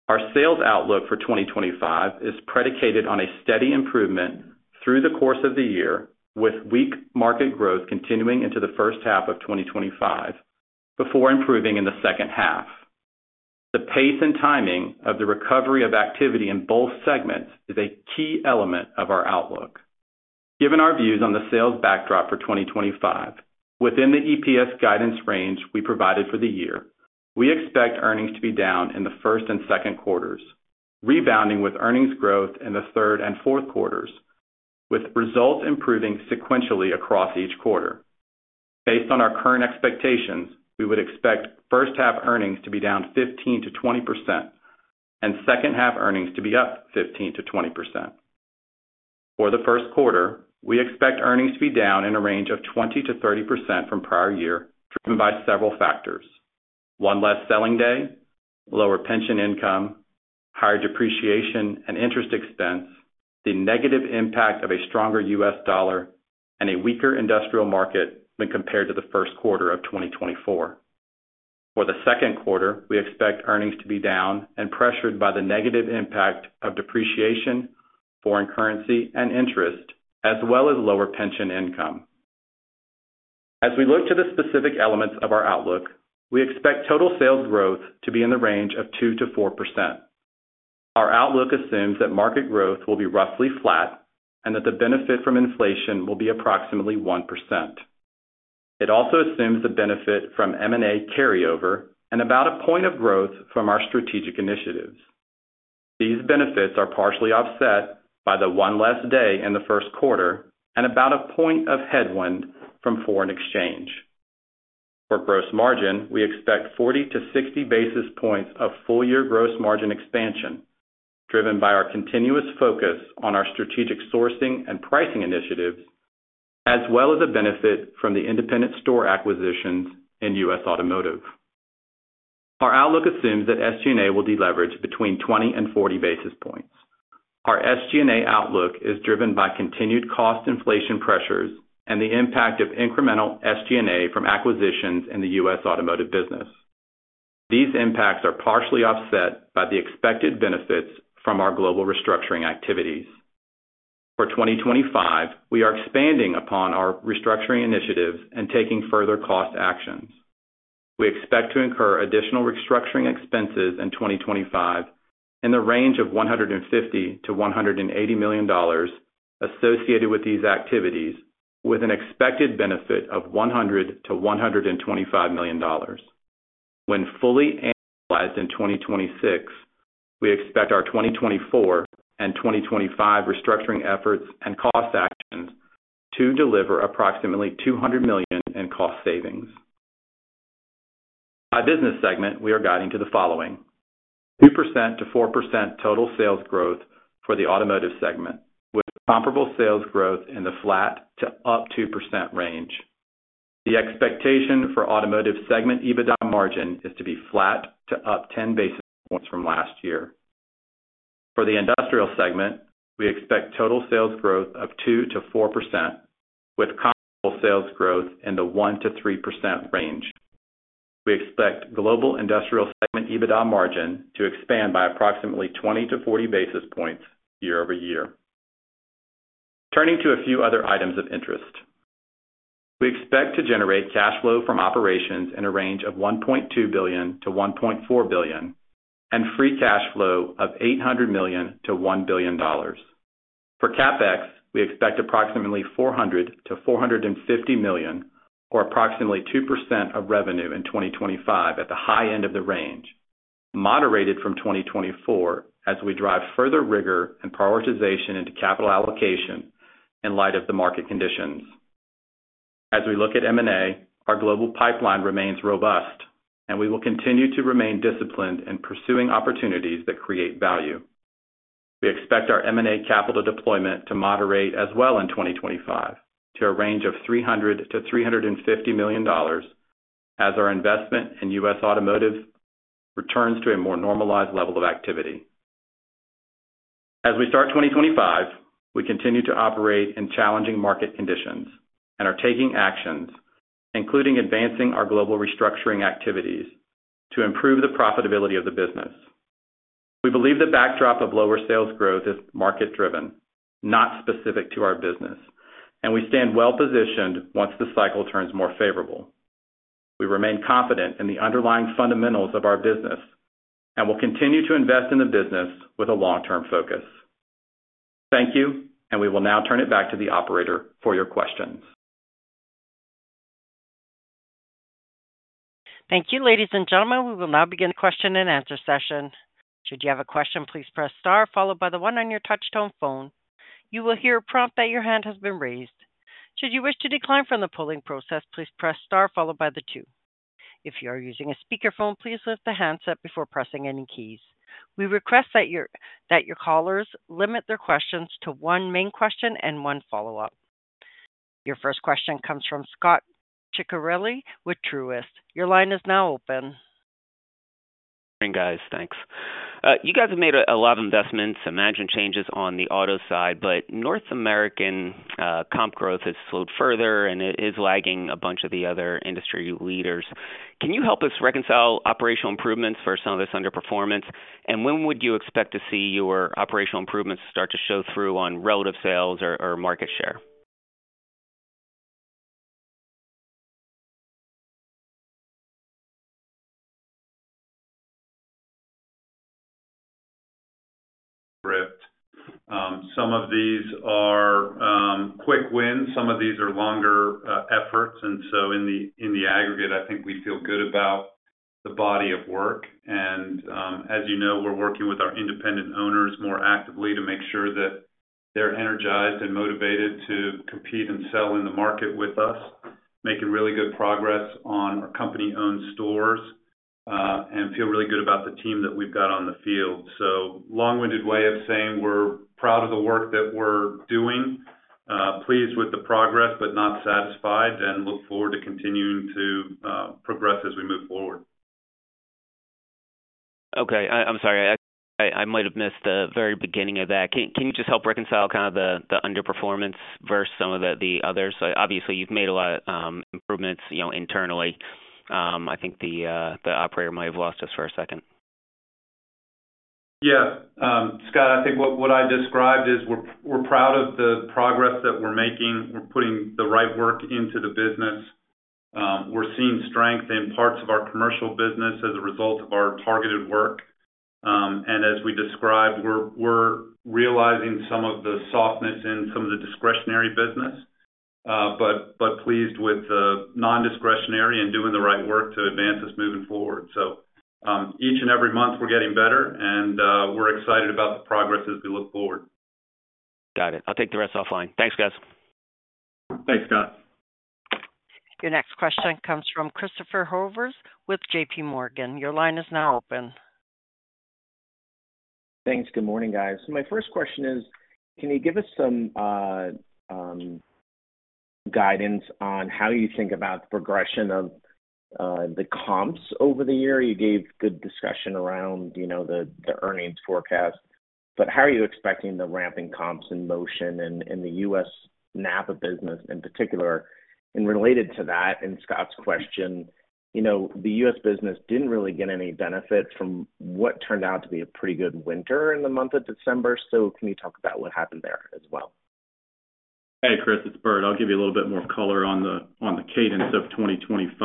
Our sales outlook for 2025 is predicated on a steady improvement through the course of the year, with weak market growth continuing into the first half of 2025 before improving in the second half. The pace and timing of the recovery of activity in both segments is a key element of our outlook. Given our views on the sales backdrop for 2025, within the EPS guidance range we provided for the year, we expect earnings to be down in the first and second quarters, rebounding with earnings growth in the third and fourth quarters, with results improving sequentially across each quarter. Based on our current expectations, we would expect first-half earnings to be down 15%-20% and second-half earnings to be up 15%-20%. For the first quarter, we expect earnings to be down in a range of 20%-30% from prior year, driven by several factors: one less selling day, lower pension income, higher depreciation and interest expense, the negative impact of a stronger US dollar, and a weaker Industrial market when compared to the first quarter of 2024. For the second quarter, we expect earnings to be down and pressured by the negative impact of depreciation, foreign currency, and interest, as well as lower pension income. As we look to the specific elements of our outlook, we expect total sales growth to be in the range of 2%-4%. Our outlook assumes that market growth will be roughly flat and that the benefit from inflation will be approximately 1%. It also assumes the benefit from M&A carryover and about a point of growth from our strategic initiatives. These benefits are partially offset by the one less day in the first quarter and about a point of headwind from foreign exchange. For gross margin, we expect 40-60 basis points of full-year gross margin expansion, driven by our continuous focus on our strategic sourcing and pricing initiatives, as well as a benefit from the independent store acquisitions in U.S. Automotive. Our outlook assumes that SG&A will deleverage between 20 and 40 basis points. Our SG&A outlook is driven by continued cost inflation pressures and the impact of incremental SG&A from acquisitions in the U.S. Automotive business. These impacts are partially offset by the expected benefits from our global restructuring activities. For 2025, we are expanding upon our restructuring initiatives and taking further cost actions. We expect to incur additional restructuring expenses in 2025 in the range of $150-$180 million associated with these activities, with an expected benefit of $100 million-$125 million. When fully annualized in 2026, we expect our 2024 and 2025 restructuring efforts and cost actions to deliver approximately $200 million in cost savings. By business segment, we are guiding to the following: 2%-4% total sales growth for the Automotive segment, with comparable sales growth in the flat to up 2% range. The expectation for Automotive segment EBITDA margin is to be flat to up 10 basis points from last year. For the Industrial segment, we expect total sales growth of 2%-4%, with comparable sales growth in the 1%-3% range. We expect Global Industrial segment EBITDA margin to expand by approximately 20-40 basis points year over year. Turning to a few other items of interest, we expect to generate cash flow from operations in a range of $1.2 billion-$1.4 billion and free cash flow of $800 million-$1 billion. For CapEx, we expect approximately $400 million-$450 million, or approximately 2% of revenue in 2025 at the high end of the range, moderated from 2024 as we drive further rigor and prioritization into capital allocation in light of the market conditions. As we look at M&A, our global pipeline remains robust, and we will continue to remain disciplined in pursuing opportunities that create value. We expect our M&A capital deployment to moderate as well in 2025 to a range of $300 million-$350 million as our investment in U.S. Automotive returns to a more normalized level of activity. As we start 2025, we continue to operate in challenging market conditions and are taking actions, including advancing our global restructuring activities to improve the profitability of the business. We believe the backdrop of lower sales growth is market-driven, not specific to our business, and we stand well-positioned once the cycle turns more favorable. We remain confident in the underlying fundamentals of our business and will continue to invest in the business with a long-term focus. Thank you, and we will now turn it back to the operator for your questions. Thank you. Ladies and gentlemen, we will now begin the question and answer session. Should you have a question, please press star, followed by the one on your touch-tone phone. You will hear a prompt that your hand has been raised. Should you wish to decline from the polling process, please press star, followed by the two. If you are using a speakerphone, please lift the handset before pressing any keys. We request that your callers limit their questions to one main question and one follow-up. Your first question comes from Scot Ciccarelli with Truist. Your line is now open. Morning, guys. Thanks. You guys have made a lot of investments in major changes on the auto side, but North American comp growth has slowed further, and it is lagging a bunch of the other industry leaders. Can you help us reconcile operational improvements with some of this underperformance? And when would you expect to see your operational improvements start to show through on relative sales or market share? Some of these are quick wins. Some of these are longer efforts. And so in the aggregate, I think we feel good about the body of work. And as you know, we're working with our independent owners more actively to make sure that they're energized and motivated to compete and sell in the market with us, making really good progress on our company-owned stores, and feel really good about the team that we've got on the field. So long-winded way of saying we're proud of the work that we're doing, pleased with the progress, but not satisfied, and look forward to continuing to progress as we move forward. Okay. I'm sorry. I might have missed the very beginning of that. Can you just help reconcile kind of the underperformance versus some of the others? Obviously, you've made a lot of improvements internally. I think the operator might have lost us for a second. Yeah. Scott, I think what I described is we're proud of the progress that we're making. We're putting the right work into the business. We're seeing strength in parts of our commercial business as a result of our targeted work, and as we described, we're realizing some of the softness in some of the discretionary business, but pleased with the non-discretionary and doing the right work to advance us moving forward. Each and every month, we're getting better, and we're excited about the progress as we look forward. Got it. I'll take the rest offline. Thanks, guys. Thanks, Scott. Your next question comes from Christopher Horvers with JPMorgan. Your line is now open. Thanks. Good morning, guys. My first question is, can you give us some guidance on how you think about the progression of the comps over the year? You gave good discussion around the earnings forecast, but how are you expecting the ramping comps in Motion in the U.S. NAPA business in particular? Related to that, in Scott's question, the U.S. business didn't really get any benefit from what turned out to be a pretty good winter in the month of December. So can you talk about what happened there as well? Hey, Chris, it's Bert. I'll give you a little bit more color on the cadence of 2025.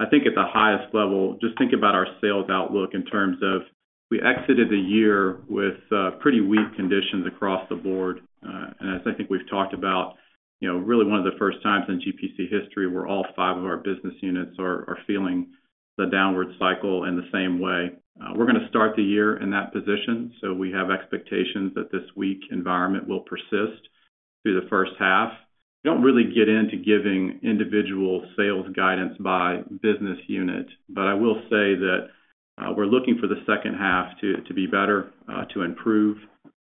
I think at the highest level, just think about our sales outlook in terms of we exited the year with pretty weak conditions across the board. And as I think we've talked about, really one of the first times in GPC history, where all five of our business units are feeling the downward cycle in the same way. We're going to start the year in that position, so we have expectations that this weak environment will persist through the first half. We don't really get into giving individual sales guidance by business unit, but I will say that we're looking for the second half to be better, to improve,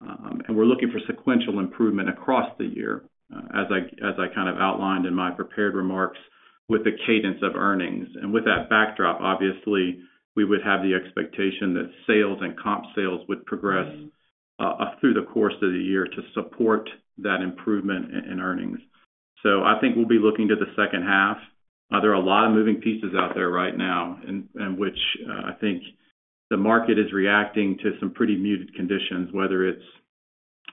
and we're looking for sequential improvement across the year, as I kind of outlined in my prepared remarks, with the cadence of earnings. With that backdrop, obviously, we would have the expectation that sales and comp sales would progress through the course of the year to support that improvement in earnings, so I think we'll be looking to the second half. There are a lot of moving pieces out there right now in which I think the market is reacting to some pretty muted conditions, whether it's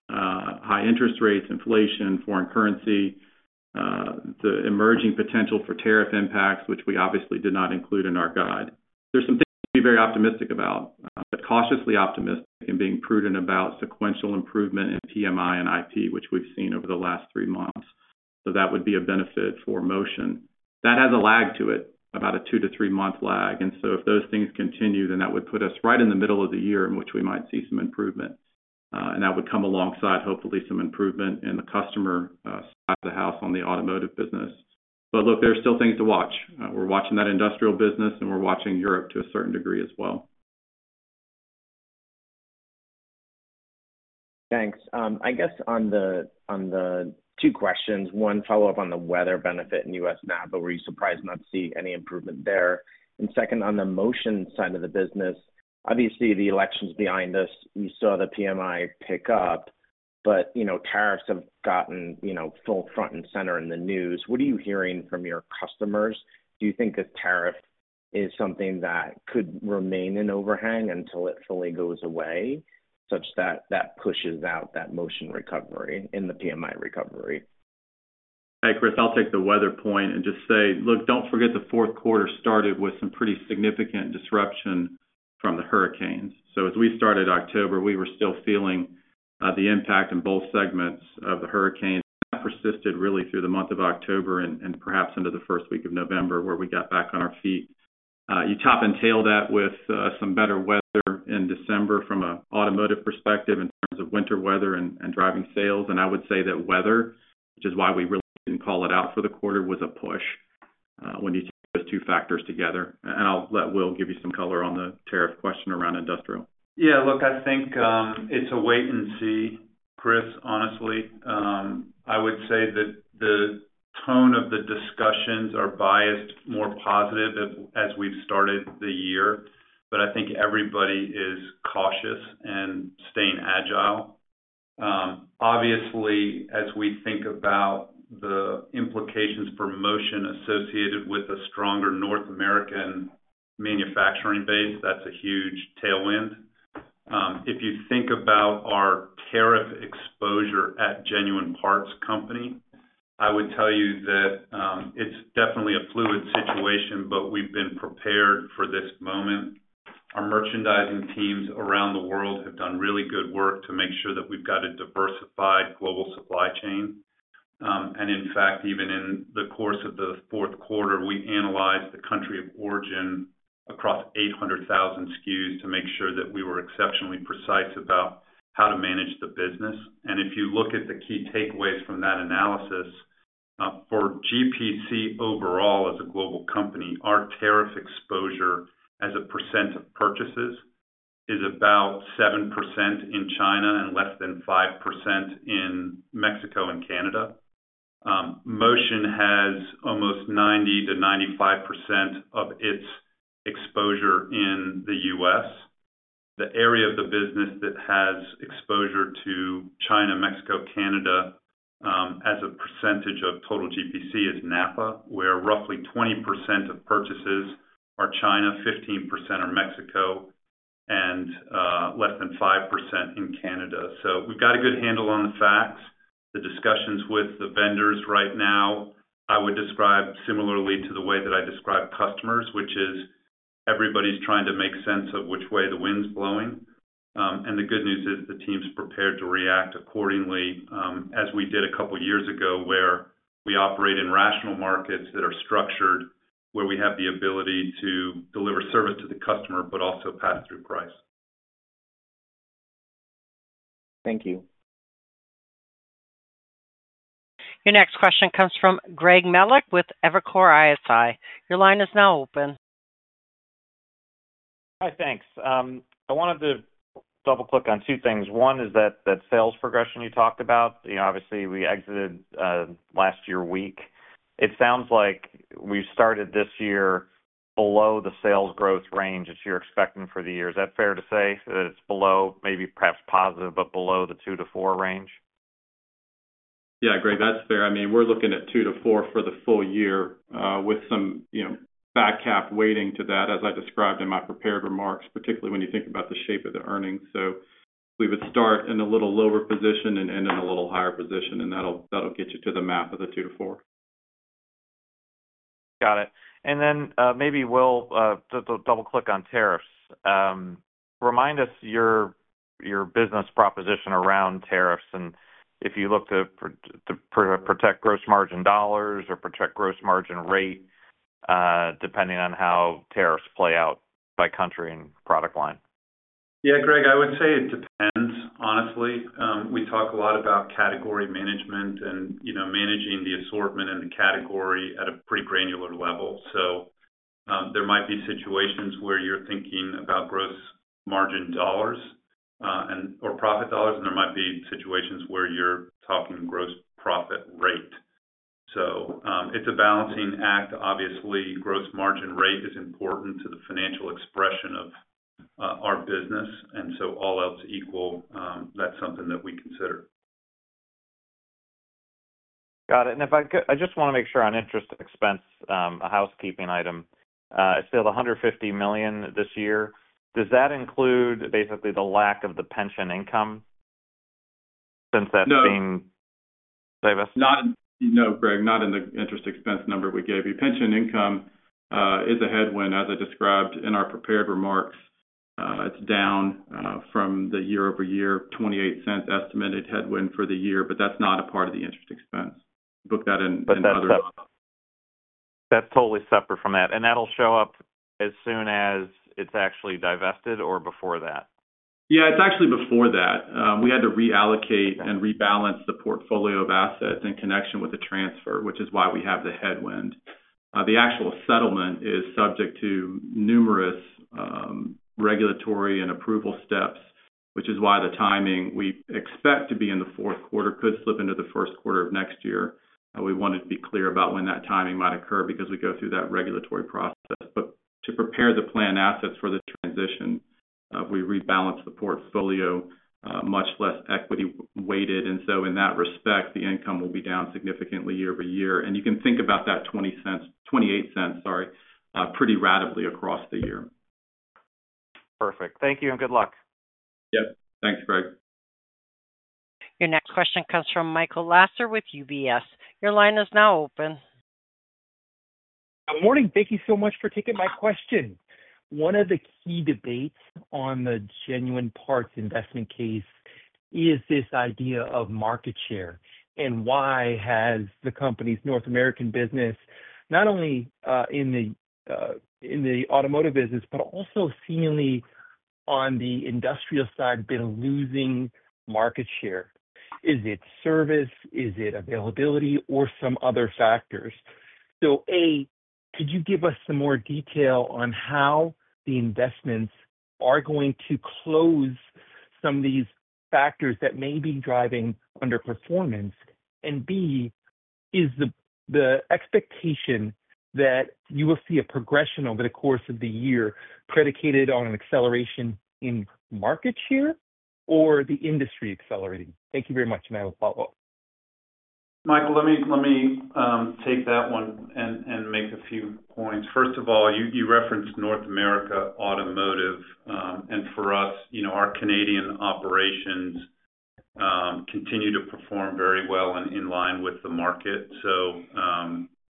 high interest rates, inflation, foreign currency, the emerging potential for tariff impacts, which we obviously did not include in our guide. There's some things to be very optimistic about, but cautiously optimistic and being prudent about sequential improvement in PMI and IP, which we've seen over the last three months. So that would be a benefit for Motion. That has a lag to it, about a two-to-three-month lag. And so if those things continue, then that would put us right in the middle of the year in which we might see some improvement. And that would come alongside, hopefully, some improvement in the customer side of the house on the Automotive business. But look, there are still things to watch. We're watching that Industrial business, and we're watching Europe to a certain degree as well. Thanks. I guess on the two questions, one follow-up on the weather benefit in U.S. NAPA, were you surprised not to see any improvement there? Second, on the Motion side of the business, obviously, the election's behind us. You saw the PMI pick up, but tariffs have gotten full front and center in the news. What are you hearing from your customers? Do you think this tariff is something that could remain in overhang until it fully goes away, such that that pushes out that Motion recovery in the PMI recovery? Hey, Chris, I'll take the weather point and just say, look, don't forget the fourth quarter started with some pretty significant disruption from the hurricanes. So as we started October, we were still feeling the impact in both segments of the hurricanes, and that persisted really through the month of October and perhaps into the first week of November, where we got back on our feet. You top and tail that with some better weather in December from an Automotive perspective in terms of winter weather and driving sales. And I would say that weather, which is why we really didn't call it out for the quarter, was a push when you take those two factors together. And I'll let Will give you some color on the tariff question around Industrial. Yeah. Look, I think it's a wait and see, Chris, honestly. I would say that the tone of the discussions are biased, more positive as we've started the year, but I think everybody is cautious and staying agile. Obviously, as we think about the implications for Motion associated with a stronger North American manufacturing base, that's a huge tailwind. If you think about our tariff exposure at Genuine Parts Company, I would tell you that it's definitely a fluid situation, but we've been prepared for this moment. Our merchandising teams around the world have done really good work to make sure that we've got a diversified global supply chain. In fact, even in the course of the fourth quarter, we analyzed the country of origin across 800,000 SKUs to make sure that we were exceptionally precise about how to manage the business. If you look at the key takeaways from that analysis, for GPC overall as a global company, our tariff exposure as a percent of purchases is about 7% in China and less than 5% in Mexico and Canada. Motion has almost 90%-95% of its exposure in the U.S. The area of the business that has exposure to China, Mexico, Canada as a percentage of total GPC is NAPA, where roughly 20% of purchases are China, 15% are Mexico, and less than 5% in Canada. So, we've got a good handle on the facts. The discussions with the vendors right now, I would describe similarly to the way that I describe customers, which is everybody's trying to make sense of which way the wind's blowing, and the good news is the team's prepared to react accordingly, as we did a couple of years ago, where we operate in rational markets that are structured, where we have the ability to deliver service to the customer, but also pass through price. Thank you. Your next question comes from Greg Melich with Evercore ISI. Your line is now open. Hi, thanks. I wanted to double-click on two things. One is that, the sales progression you talked about. Obviously, we exited last year weak. It sounds like we started this year below the sales growth range that you're expecting for the year. Is that fair to say that it's below, maybe perhaps positive, but below the two to four range? Yeah, Greg, that's fair. I mean, we're looking at two to four for the full year with some back-half weighting to that, as I described in my prepared remarks, particularly when you think about the shape of the earnings. So we would start in a little lower position and end in a little higher position, and that'll get you to the math of the two to four. Got it. And then maybe we'll double-click on tariffs. Remind us your business proposition around tariffs and if you look to protect gross margin dollars or protect gross margin rate, depending on how tariffs play out by country and product line. Yeah, Greg, I would say it depends, honestly. We talk a lot about category management and managing the assortment and the category at a pretty granular level. So there might be situations where you're thinking about gross margin dollars or profit dollars, and there might be situations where you're talking gross profit rate. So it's a balancing act. Obviously, gross margin rate is important to the financial expression of our business. And so all else equal, that's something that we consider. Got it. And I just want to make sure on interest expense, a housekeeping item. It's still $150 million this year. Does that include basically the lack of the pension income since that's being divested? No, Greg, not in the interest expense number we gave you. Pension income is a headwind, as I described in our prepared remarks. It's down from the year-over-year $0.28 estimated headwind for the year, but that's not a part of the interest expense. Book that in. That's totally separate from that. And that'll show up as soon as it's actually divested or before that? Yeah, it's actually before that. We had to reallocate and rebalance the portfolio of assets in connection with the transfer, which is why we have the headwind. The actual settlement is subject to numerous regulatory and approval steps, which is why the timing we expect to be in the fourth quarter could slip into the first quarter of next year. We wanted to be clear about when that timing might occur because we go through that regulatory process. But to prepare the plan assets for the transition, we rebalance the portfolio, much less equity-weighted. And so in that respect, the income will be down significantly year over year. And you can think about that $0.28, sorry, pretty rapidly across the year. Perfect. Thank you and good luck. Yep. Thanks, Greg. Your next question comes from Michael Lasser with UBS. Your line is now open. Good morning. Thank you so much for taking my question. One of the key debates on the Genuine Parts investment case is this idea of market share. And why has the company's North American business, not only in the Automotive business, but also seemingly on the Industrial side, been losing market share? Is it service? Is it availability or some other factors? A, could you give us some more detail on how the investments are going to close some of these factors that may be driving underperformance? And B, is the expectation that you will see a progression over the course of the year predicated on an acceleration in market share or the industry accelerating? Thank you very much, and I will follow up. Michael, let me take that one and make a few points. First of all, you referenced North America Automotive. And for us, our Canadian operations continue to perform very well in line with the market. So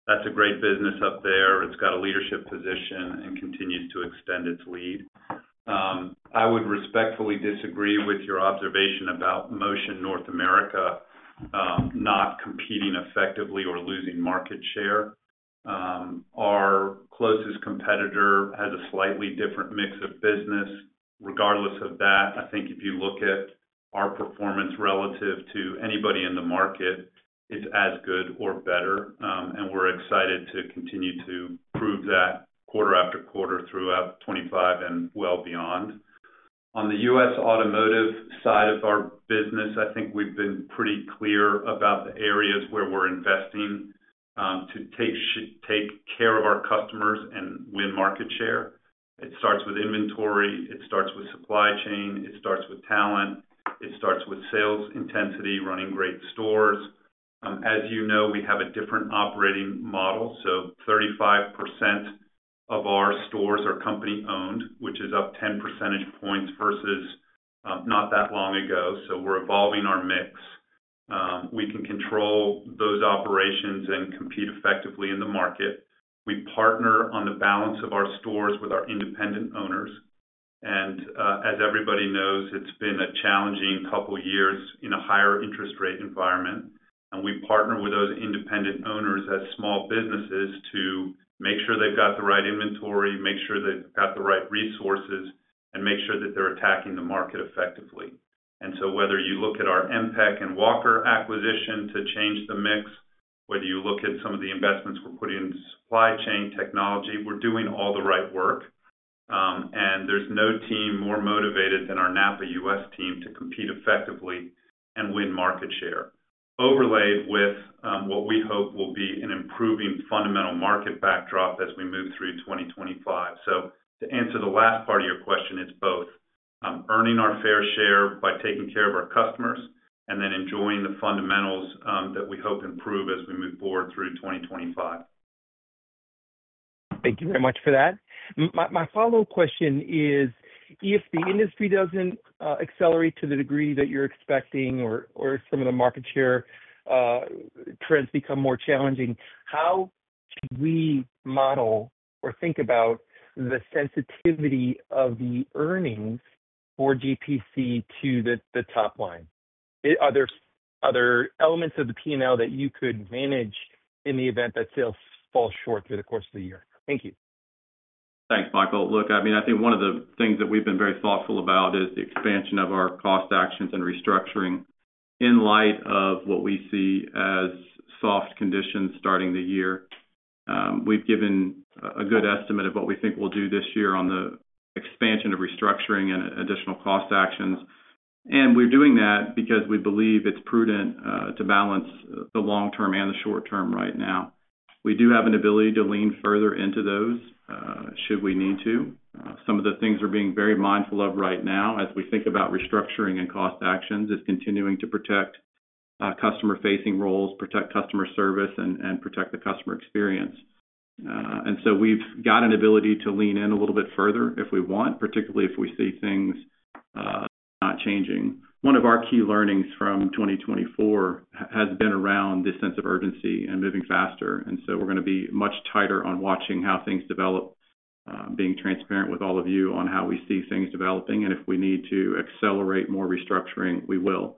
that's a great business up there. It's got a leadership position and continues to extend its lead. I would respectfully disagree with your observation about Motion North America not competing effectively or losing market share. Our closest competitor has a slightly different mix of business. Regardless of that, I think if you look at our performance relative to anybody in the market, it's as good or better, and we're excited to continue to prove that quarter-after-quarter throughout 2025 and well beyond. On the U.S. Automotive side of our business, I think we've been pretty clear about the areas where we're investing to take care of our customers and win market share. It starts with inventory. It starts with supply chain. It starts with talent. It starts with sales intensity, running great stores. As you know, we have a different operating model, so 35% of our stores are company-owned, which is up 10 percentage points versus not that long ago, so we're evolving our mix. We can control those operations and compete effectively in the market. We partner on the balance of our stores with our independent owners. And as everybody knows, it's been a challenging couple of years in a higher interest rate environment. And we partner with those independent owners as small businesses to make sure they've got the right inventory, make sure they've got the right resources, and make sure that they're attacking the market effectively. And so whether you look at our MPEC and Walker acquisition to change the mix, whether you look at some of the investments we're putting into supply chain technology, we're doing all the right work. And there's no team more motivated than our NAPA U.S. team to compete effectively and win market share, overlaid with what we hope will be an improving fundamental market backdrop as we move through 2025. So, to answer the last part of your question, it's both earning our fair share by taking care of our customers and then enjoying the fundamentals that we hope improve as we move forward through 2025. Thank you very much for that. My follow-up question is, if the industry doesn't accelerate to the degree that you're expecting or some of the market share trends become more challenging, how should we model or think about the sensitivity of the earnings for GPC to the top line? Are there other elements of the P&L that you could manage in the event that sales fall short through the course of the year? Thank you. Thanks, Michael. Look, I mean, I think one of the things that we've been very thoughtful about is the expansion of our cost actions and restructuring in light of what we see as soft conditions starting the year. We've given a good estimate of what we think we'll do this year on the expansion of restructuring and additional cost actions, and we're doing that because we believe it's prudent to balance the long term and the short term right now. We do have an ability to lean further into those should we need to. Some of the things we're being very mindful of right now as we think about restructuring and cost actions is continuing to protect customer-facing roles, protect customer service, and protect the customer experience, and so, we've got an ability to lean in a little bit further if we want, particularly if we see things not changing. One of our key learnings from 2024 has been around this sense of urgency and moving faster. So we're going to be much tighter on watching how things develop, being transparent with all of you on how we see things developing, and if we need to accelerate more restructuring, we will.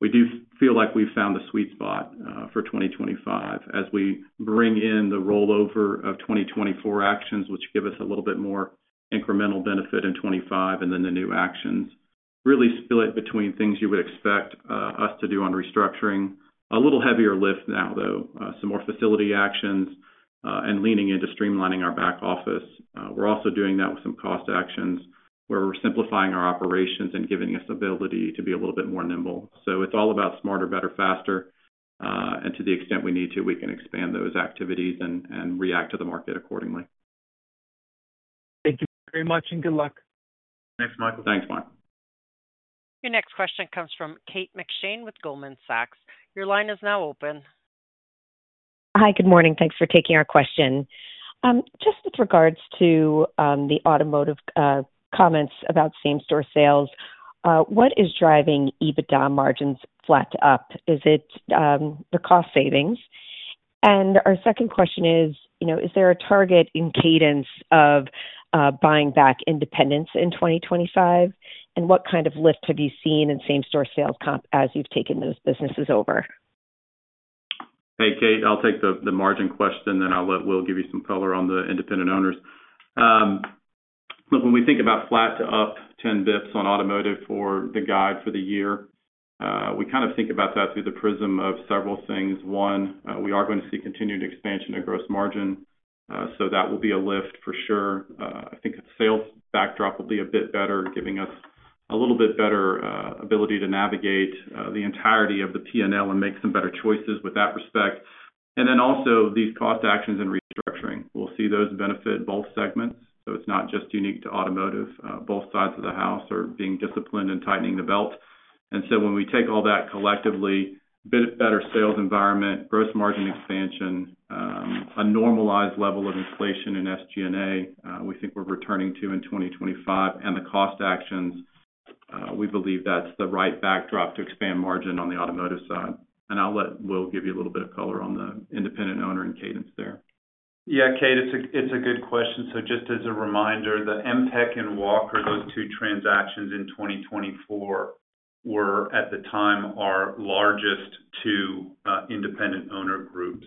We do feel like we've found the sweet spot for 2025 as we bring in the rollover of 2024 actions, which give us a little bit more incremental benefit in 2025, and then the new actions really split between things you would expect us to do on restructuring, a little heavier lift now, though, some more facility actions and leaning into streamlining our back office. We're also doing that with some cost actions where we're simplifying our operations and giving us the ability to be a little bit more nimble, so it's all about smarter, better, faster, and to the extent we need to, we can expand those activities and react to the market accordingly. Thank you very much and good luck. Thanks, Michael. Your next question comes from Kate McShane with Goldman Sachs. Your line is now open. Hi, good morning. Thanks for taking our question. Just with regards to the Automotive comments about same-store sales, what is driving EBITDA margins flat to up? Is it the cost savings? And our second question is, is there a target in cadence of buying back independents in 2025? And what kind of lift have you seen in same-store sales comp as you've taken those businesses over? Hey, Kate, I'll take the margin question, and then we'll give you some color on the independent owners. Look, when we think about flat to up 10 basis points on Automotive for the guide for the year, we kind of think about that through the prism of several things. One, we are going to see continued expansion of gross margin. So that will be a lift for sure. I think sales backdrop will be a bit better, giving us a little bit better ability to navigate the entirety of the P&L and make some better choices with that respect. And then also these cost actions and restructuring. We'll see those benefit both segments. So it's not just unique to automotive. Both sides of the house are being disciplined and tightening the belt. And so when we take all that collectively, better sales environment, gross margin expansion, a normalized level of inflation in SG&A, we think we're returning to in 2025. And the cost actions, we believe that's the right backdrop to expand margin on the automotive side. And I'll let Will give you a little bit of color on the independent owner and cadence there. Yeah, Kate, it's a good question. Just as a reminder, the MPEC and Walker, those two transactions in 2024, were at the time our largest two independent owner groups.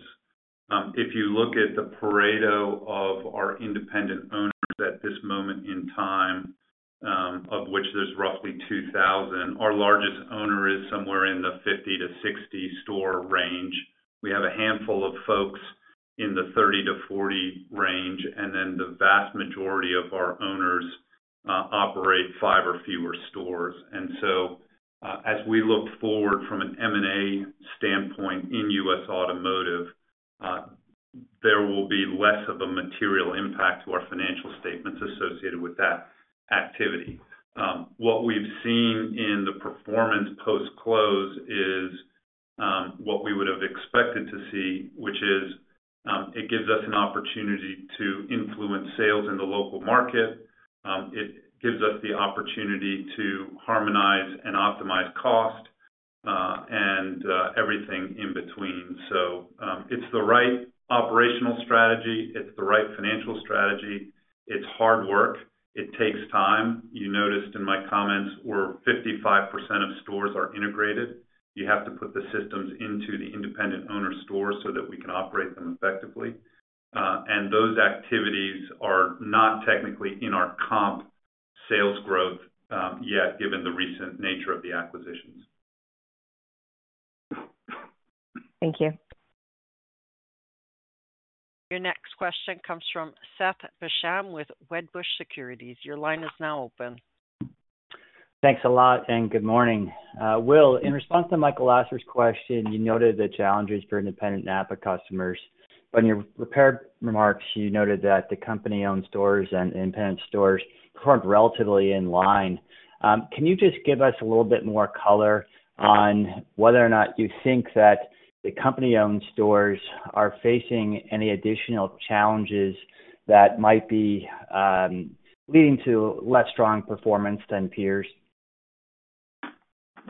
If you look at the Pareto of our independent owners at this moment in time, of which there's roughly 2,000, our largest owner is somewhere in the 50-60 store range. We have a handful of folks in the 30-40 range, and then the vast majority of our owners operate five or fewer stores. And so, as we look forward from an M&A standpoint in U.S. Automotive, there will be less of a material impact to our financial statements associated with that activity. What we've seen in the performance post-close is what we would have expected to see, which is it gives us an opportunity to influence sales in the local market. It gives us the opportunity to harmonize and optimize cost and everything in between. So it's the right operational strategy. It's the right financial strategy. It's hard work. It takes time. You noticed in my comments where 55% of stores are integrated. You have to put the systems into the independent owner store so that we can operate them effectively. And those activities are not technically in our comp sales growth yet, given the recent nature of the acquisitions. Thank you. Your next question comes from Seth Basham with Wedbush Securities. Your line is now open. Thanks a lot and good morning. Will, in response to Michael Lasser's question, you noted the challenges for independent NAPA customers. But in your prepared remarks, you noted that the company-owned stores and independent stores performed relatively in line. Can you just give us a little bit more color on whether or not you think that the company-owned stores are facing any additional challenges that might be leading to less strong performance than peers?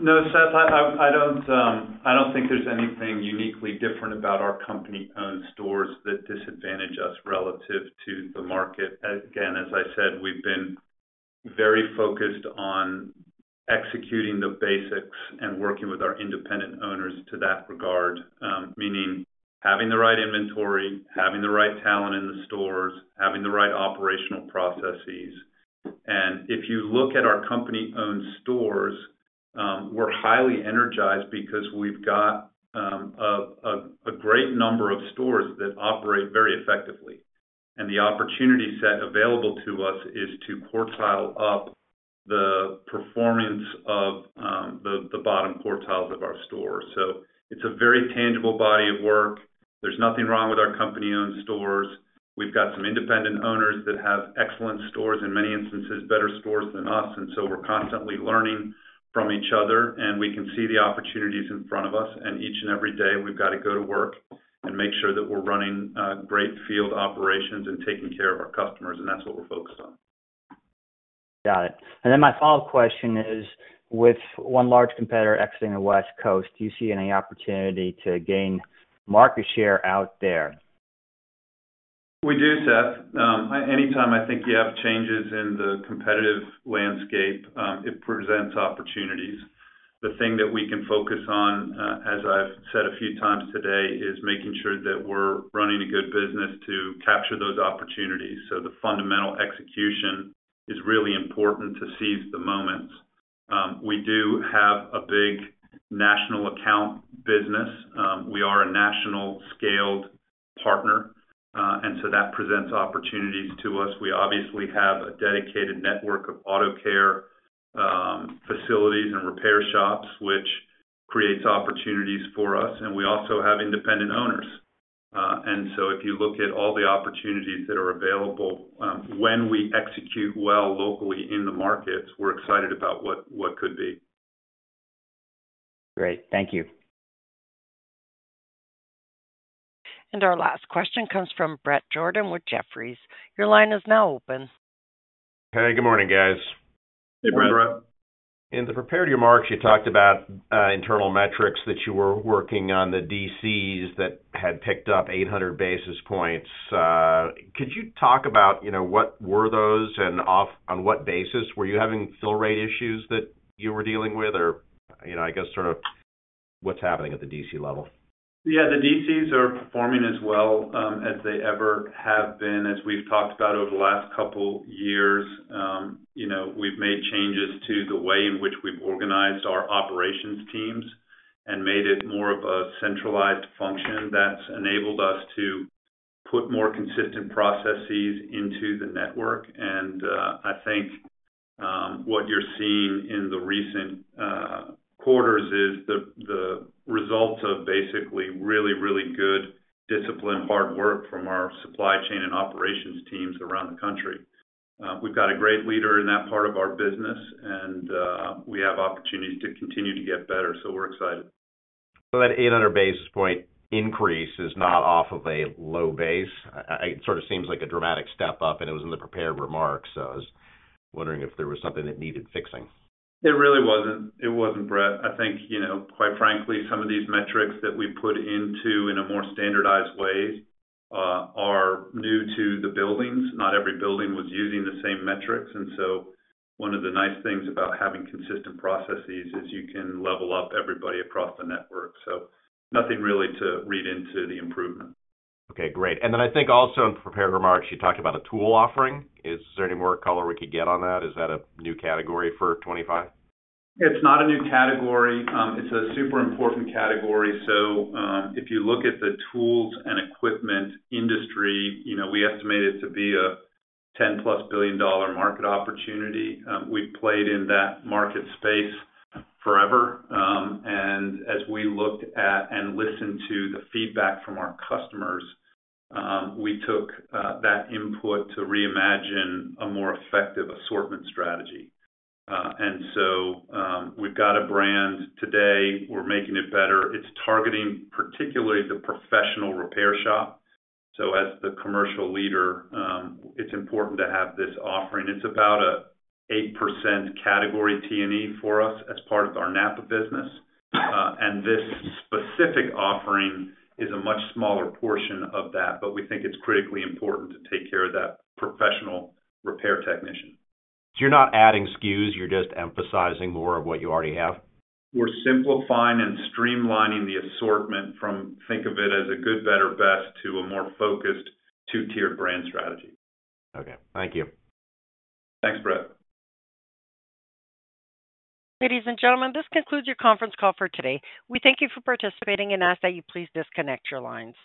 No, Seth, I don't think there's anything uniquely different about our company-owned stores that disadvantages us relative to the market. Again, as I said, we've been very focused on executing the basics and working with our independent owners to that regard, meaning having the right inventory, having the right talent in the stores, having the right operational processes, and if you look at our company-owned stores, we're highly energized because we've got a great number of stores that operate very effectively. And the opportunity set available to us is to quartile up the performance of the bottom quartiles of our stores, so it's a very tangible body of work. There's nothing wrong with our company-owned stores. We've got some independent owners that have excellent stores and, in many instances, better stores than us. And so we're constantly learning from each other, and we can see the opportunities in front of us. And each and every day, we've got to go to work and make sure that we're running great field operations and taking care of our customers. And that's what we're focused on. Got it. And then my follow-up question is, with one large competitor exiting the West Coast, do you see any opportunity to gain market share out there? We do, Seth. Anytime I think you have changes in the competitive landscape, it presents opportunities. The thing that we can focus on, as I've said a few times today, is making sure that we're running a good business to capture those opportunities. So the fundamental execution is really important to seize the moments. We do have a big national account business. We are a national-scaled partner, and so that presents opportunities to us. We obviously have a dedicated network of auto care facilities and repair shops, which creates opportunities for us. And we also have independent owners. And so if you look at all the opportunities that are available, when we execute well locally in the markets, we're excited about what could be. Great. Thank you. And our last question comes from Bret Jordan with Jefferies. Your line is now open. Hey, good morning, guys. In the prepared remarks, you talked about internal metrics that you were working on the DCs that had picked up 800 basis points. Could you talk about what were those and on what basis? Were you having fill rate issues that you were dealing with, or I guess sort of what's happening at the DC level? Yeah, the DCs are performing as well as they ever have been, as we've talked about over the last couple of years. We've made changes to the way in which we've organized our operations teams and made it more of a centralized function that's enabled us to put more consistent processes into the network, and I think what you're seeing in the recent quarters is the results of basically really, really good discipline, hard work from our supply chain and operations teams around the country. We've got a great leader in that part of our business, and we have opportunities to continue to get better, so we're excited. So, that 800 basis point increase is not off of a low base? It sort of seems like a dramatic step up, and it was in the prepared remarks. I was wondering if there was something that needed fixing. It really wasn't. It wasn't, Bret. I think, quite frankly, some of these metrics that we put into in a more standardized way are new to the buildings. Not every building was using the same metrics. And so one of the nice things about having consistent processes is you can level up everybody across the network. So nothing really to read into the improvement. Okay, great. And then I think also in prepared remarks, you talked about a tool offering. Is there any more color we could get on that? Is that a new category for 2025? It's not a new category. It's a super important category. So, if you look at the tools and equipment industry, we estimate it to be a $10-plus billion market opportunity. We've played in that market space forever. And as we looked at and listened to the feedback from our customers, we took that input to reimagine a more effective assortment strategy. And so we've got a brand today. We're making it better. It's targeting particularly the professional repair shop. So as the commercial leader, it's important to have this offering. It's about an 8% category T&E for us as part of our NAPA business. And this specific offering is a much smaller portion of that, but we think it's critically important to take care of that professional repair technician. So you're not adding SKUs. You're just emphasizing more of what you already have? We're simplifying and streamlining the assortment from, think of it as a good, better, best to a more focused two-tiered brand strategy. Okay. Thank you. Thanks, Bret. Ladies and gentlemen, this concludes your conference call for today. We thank you for participating and ask that you please disconnect your lines.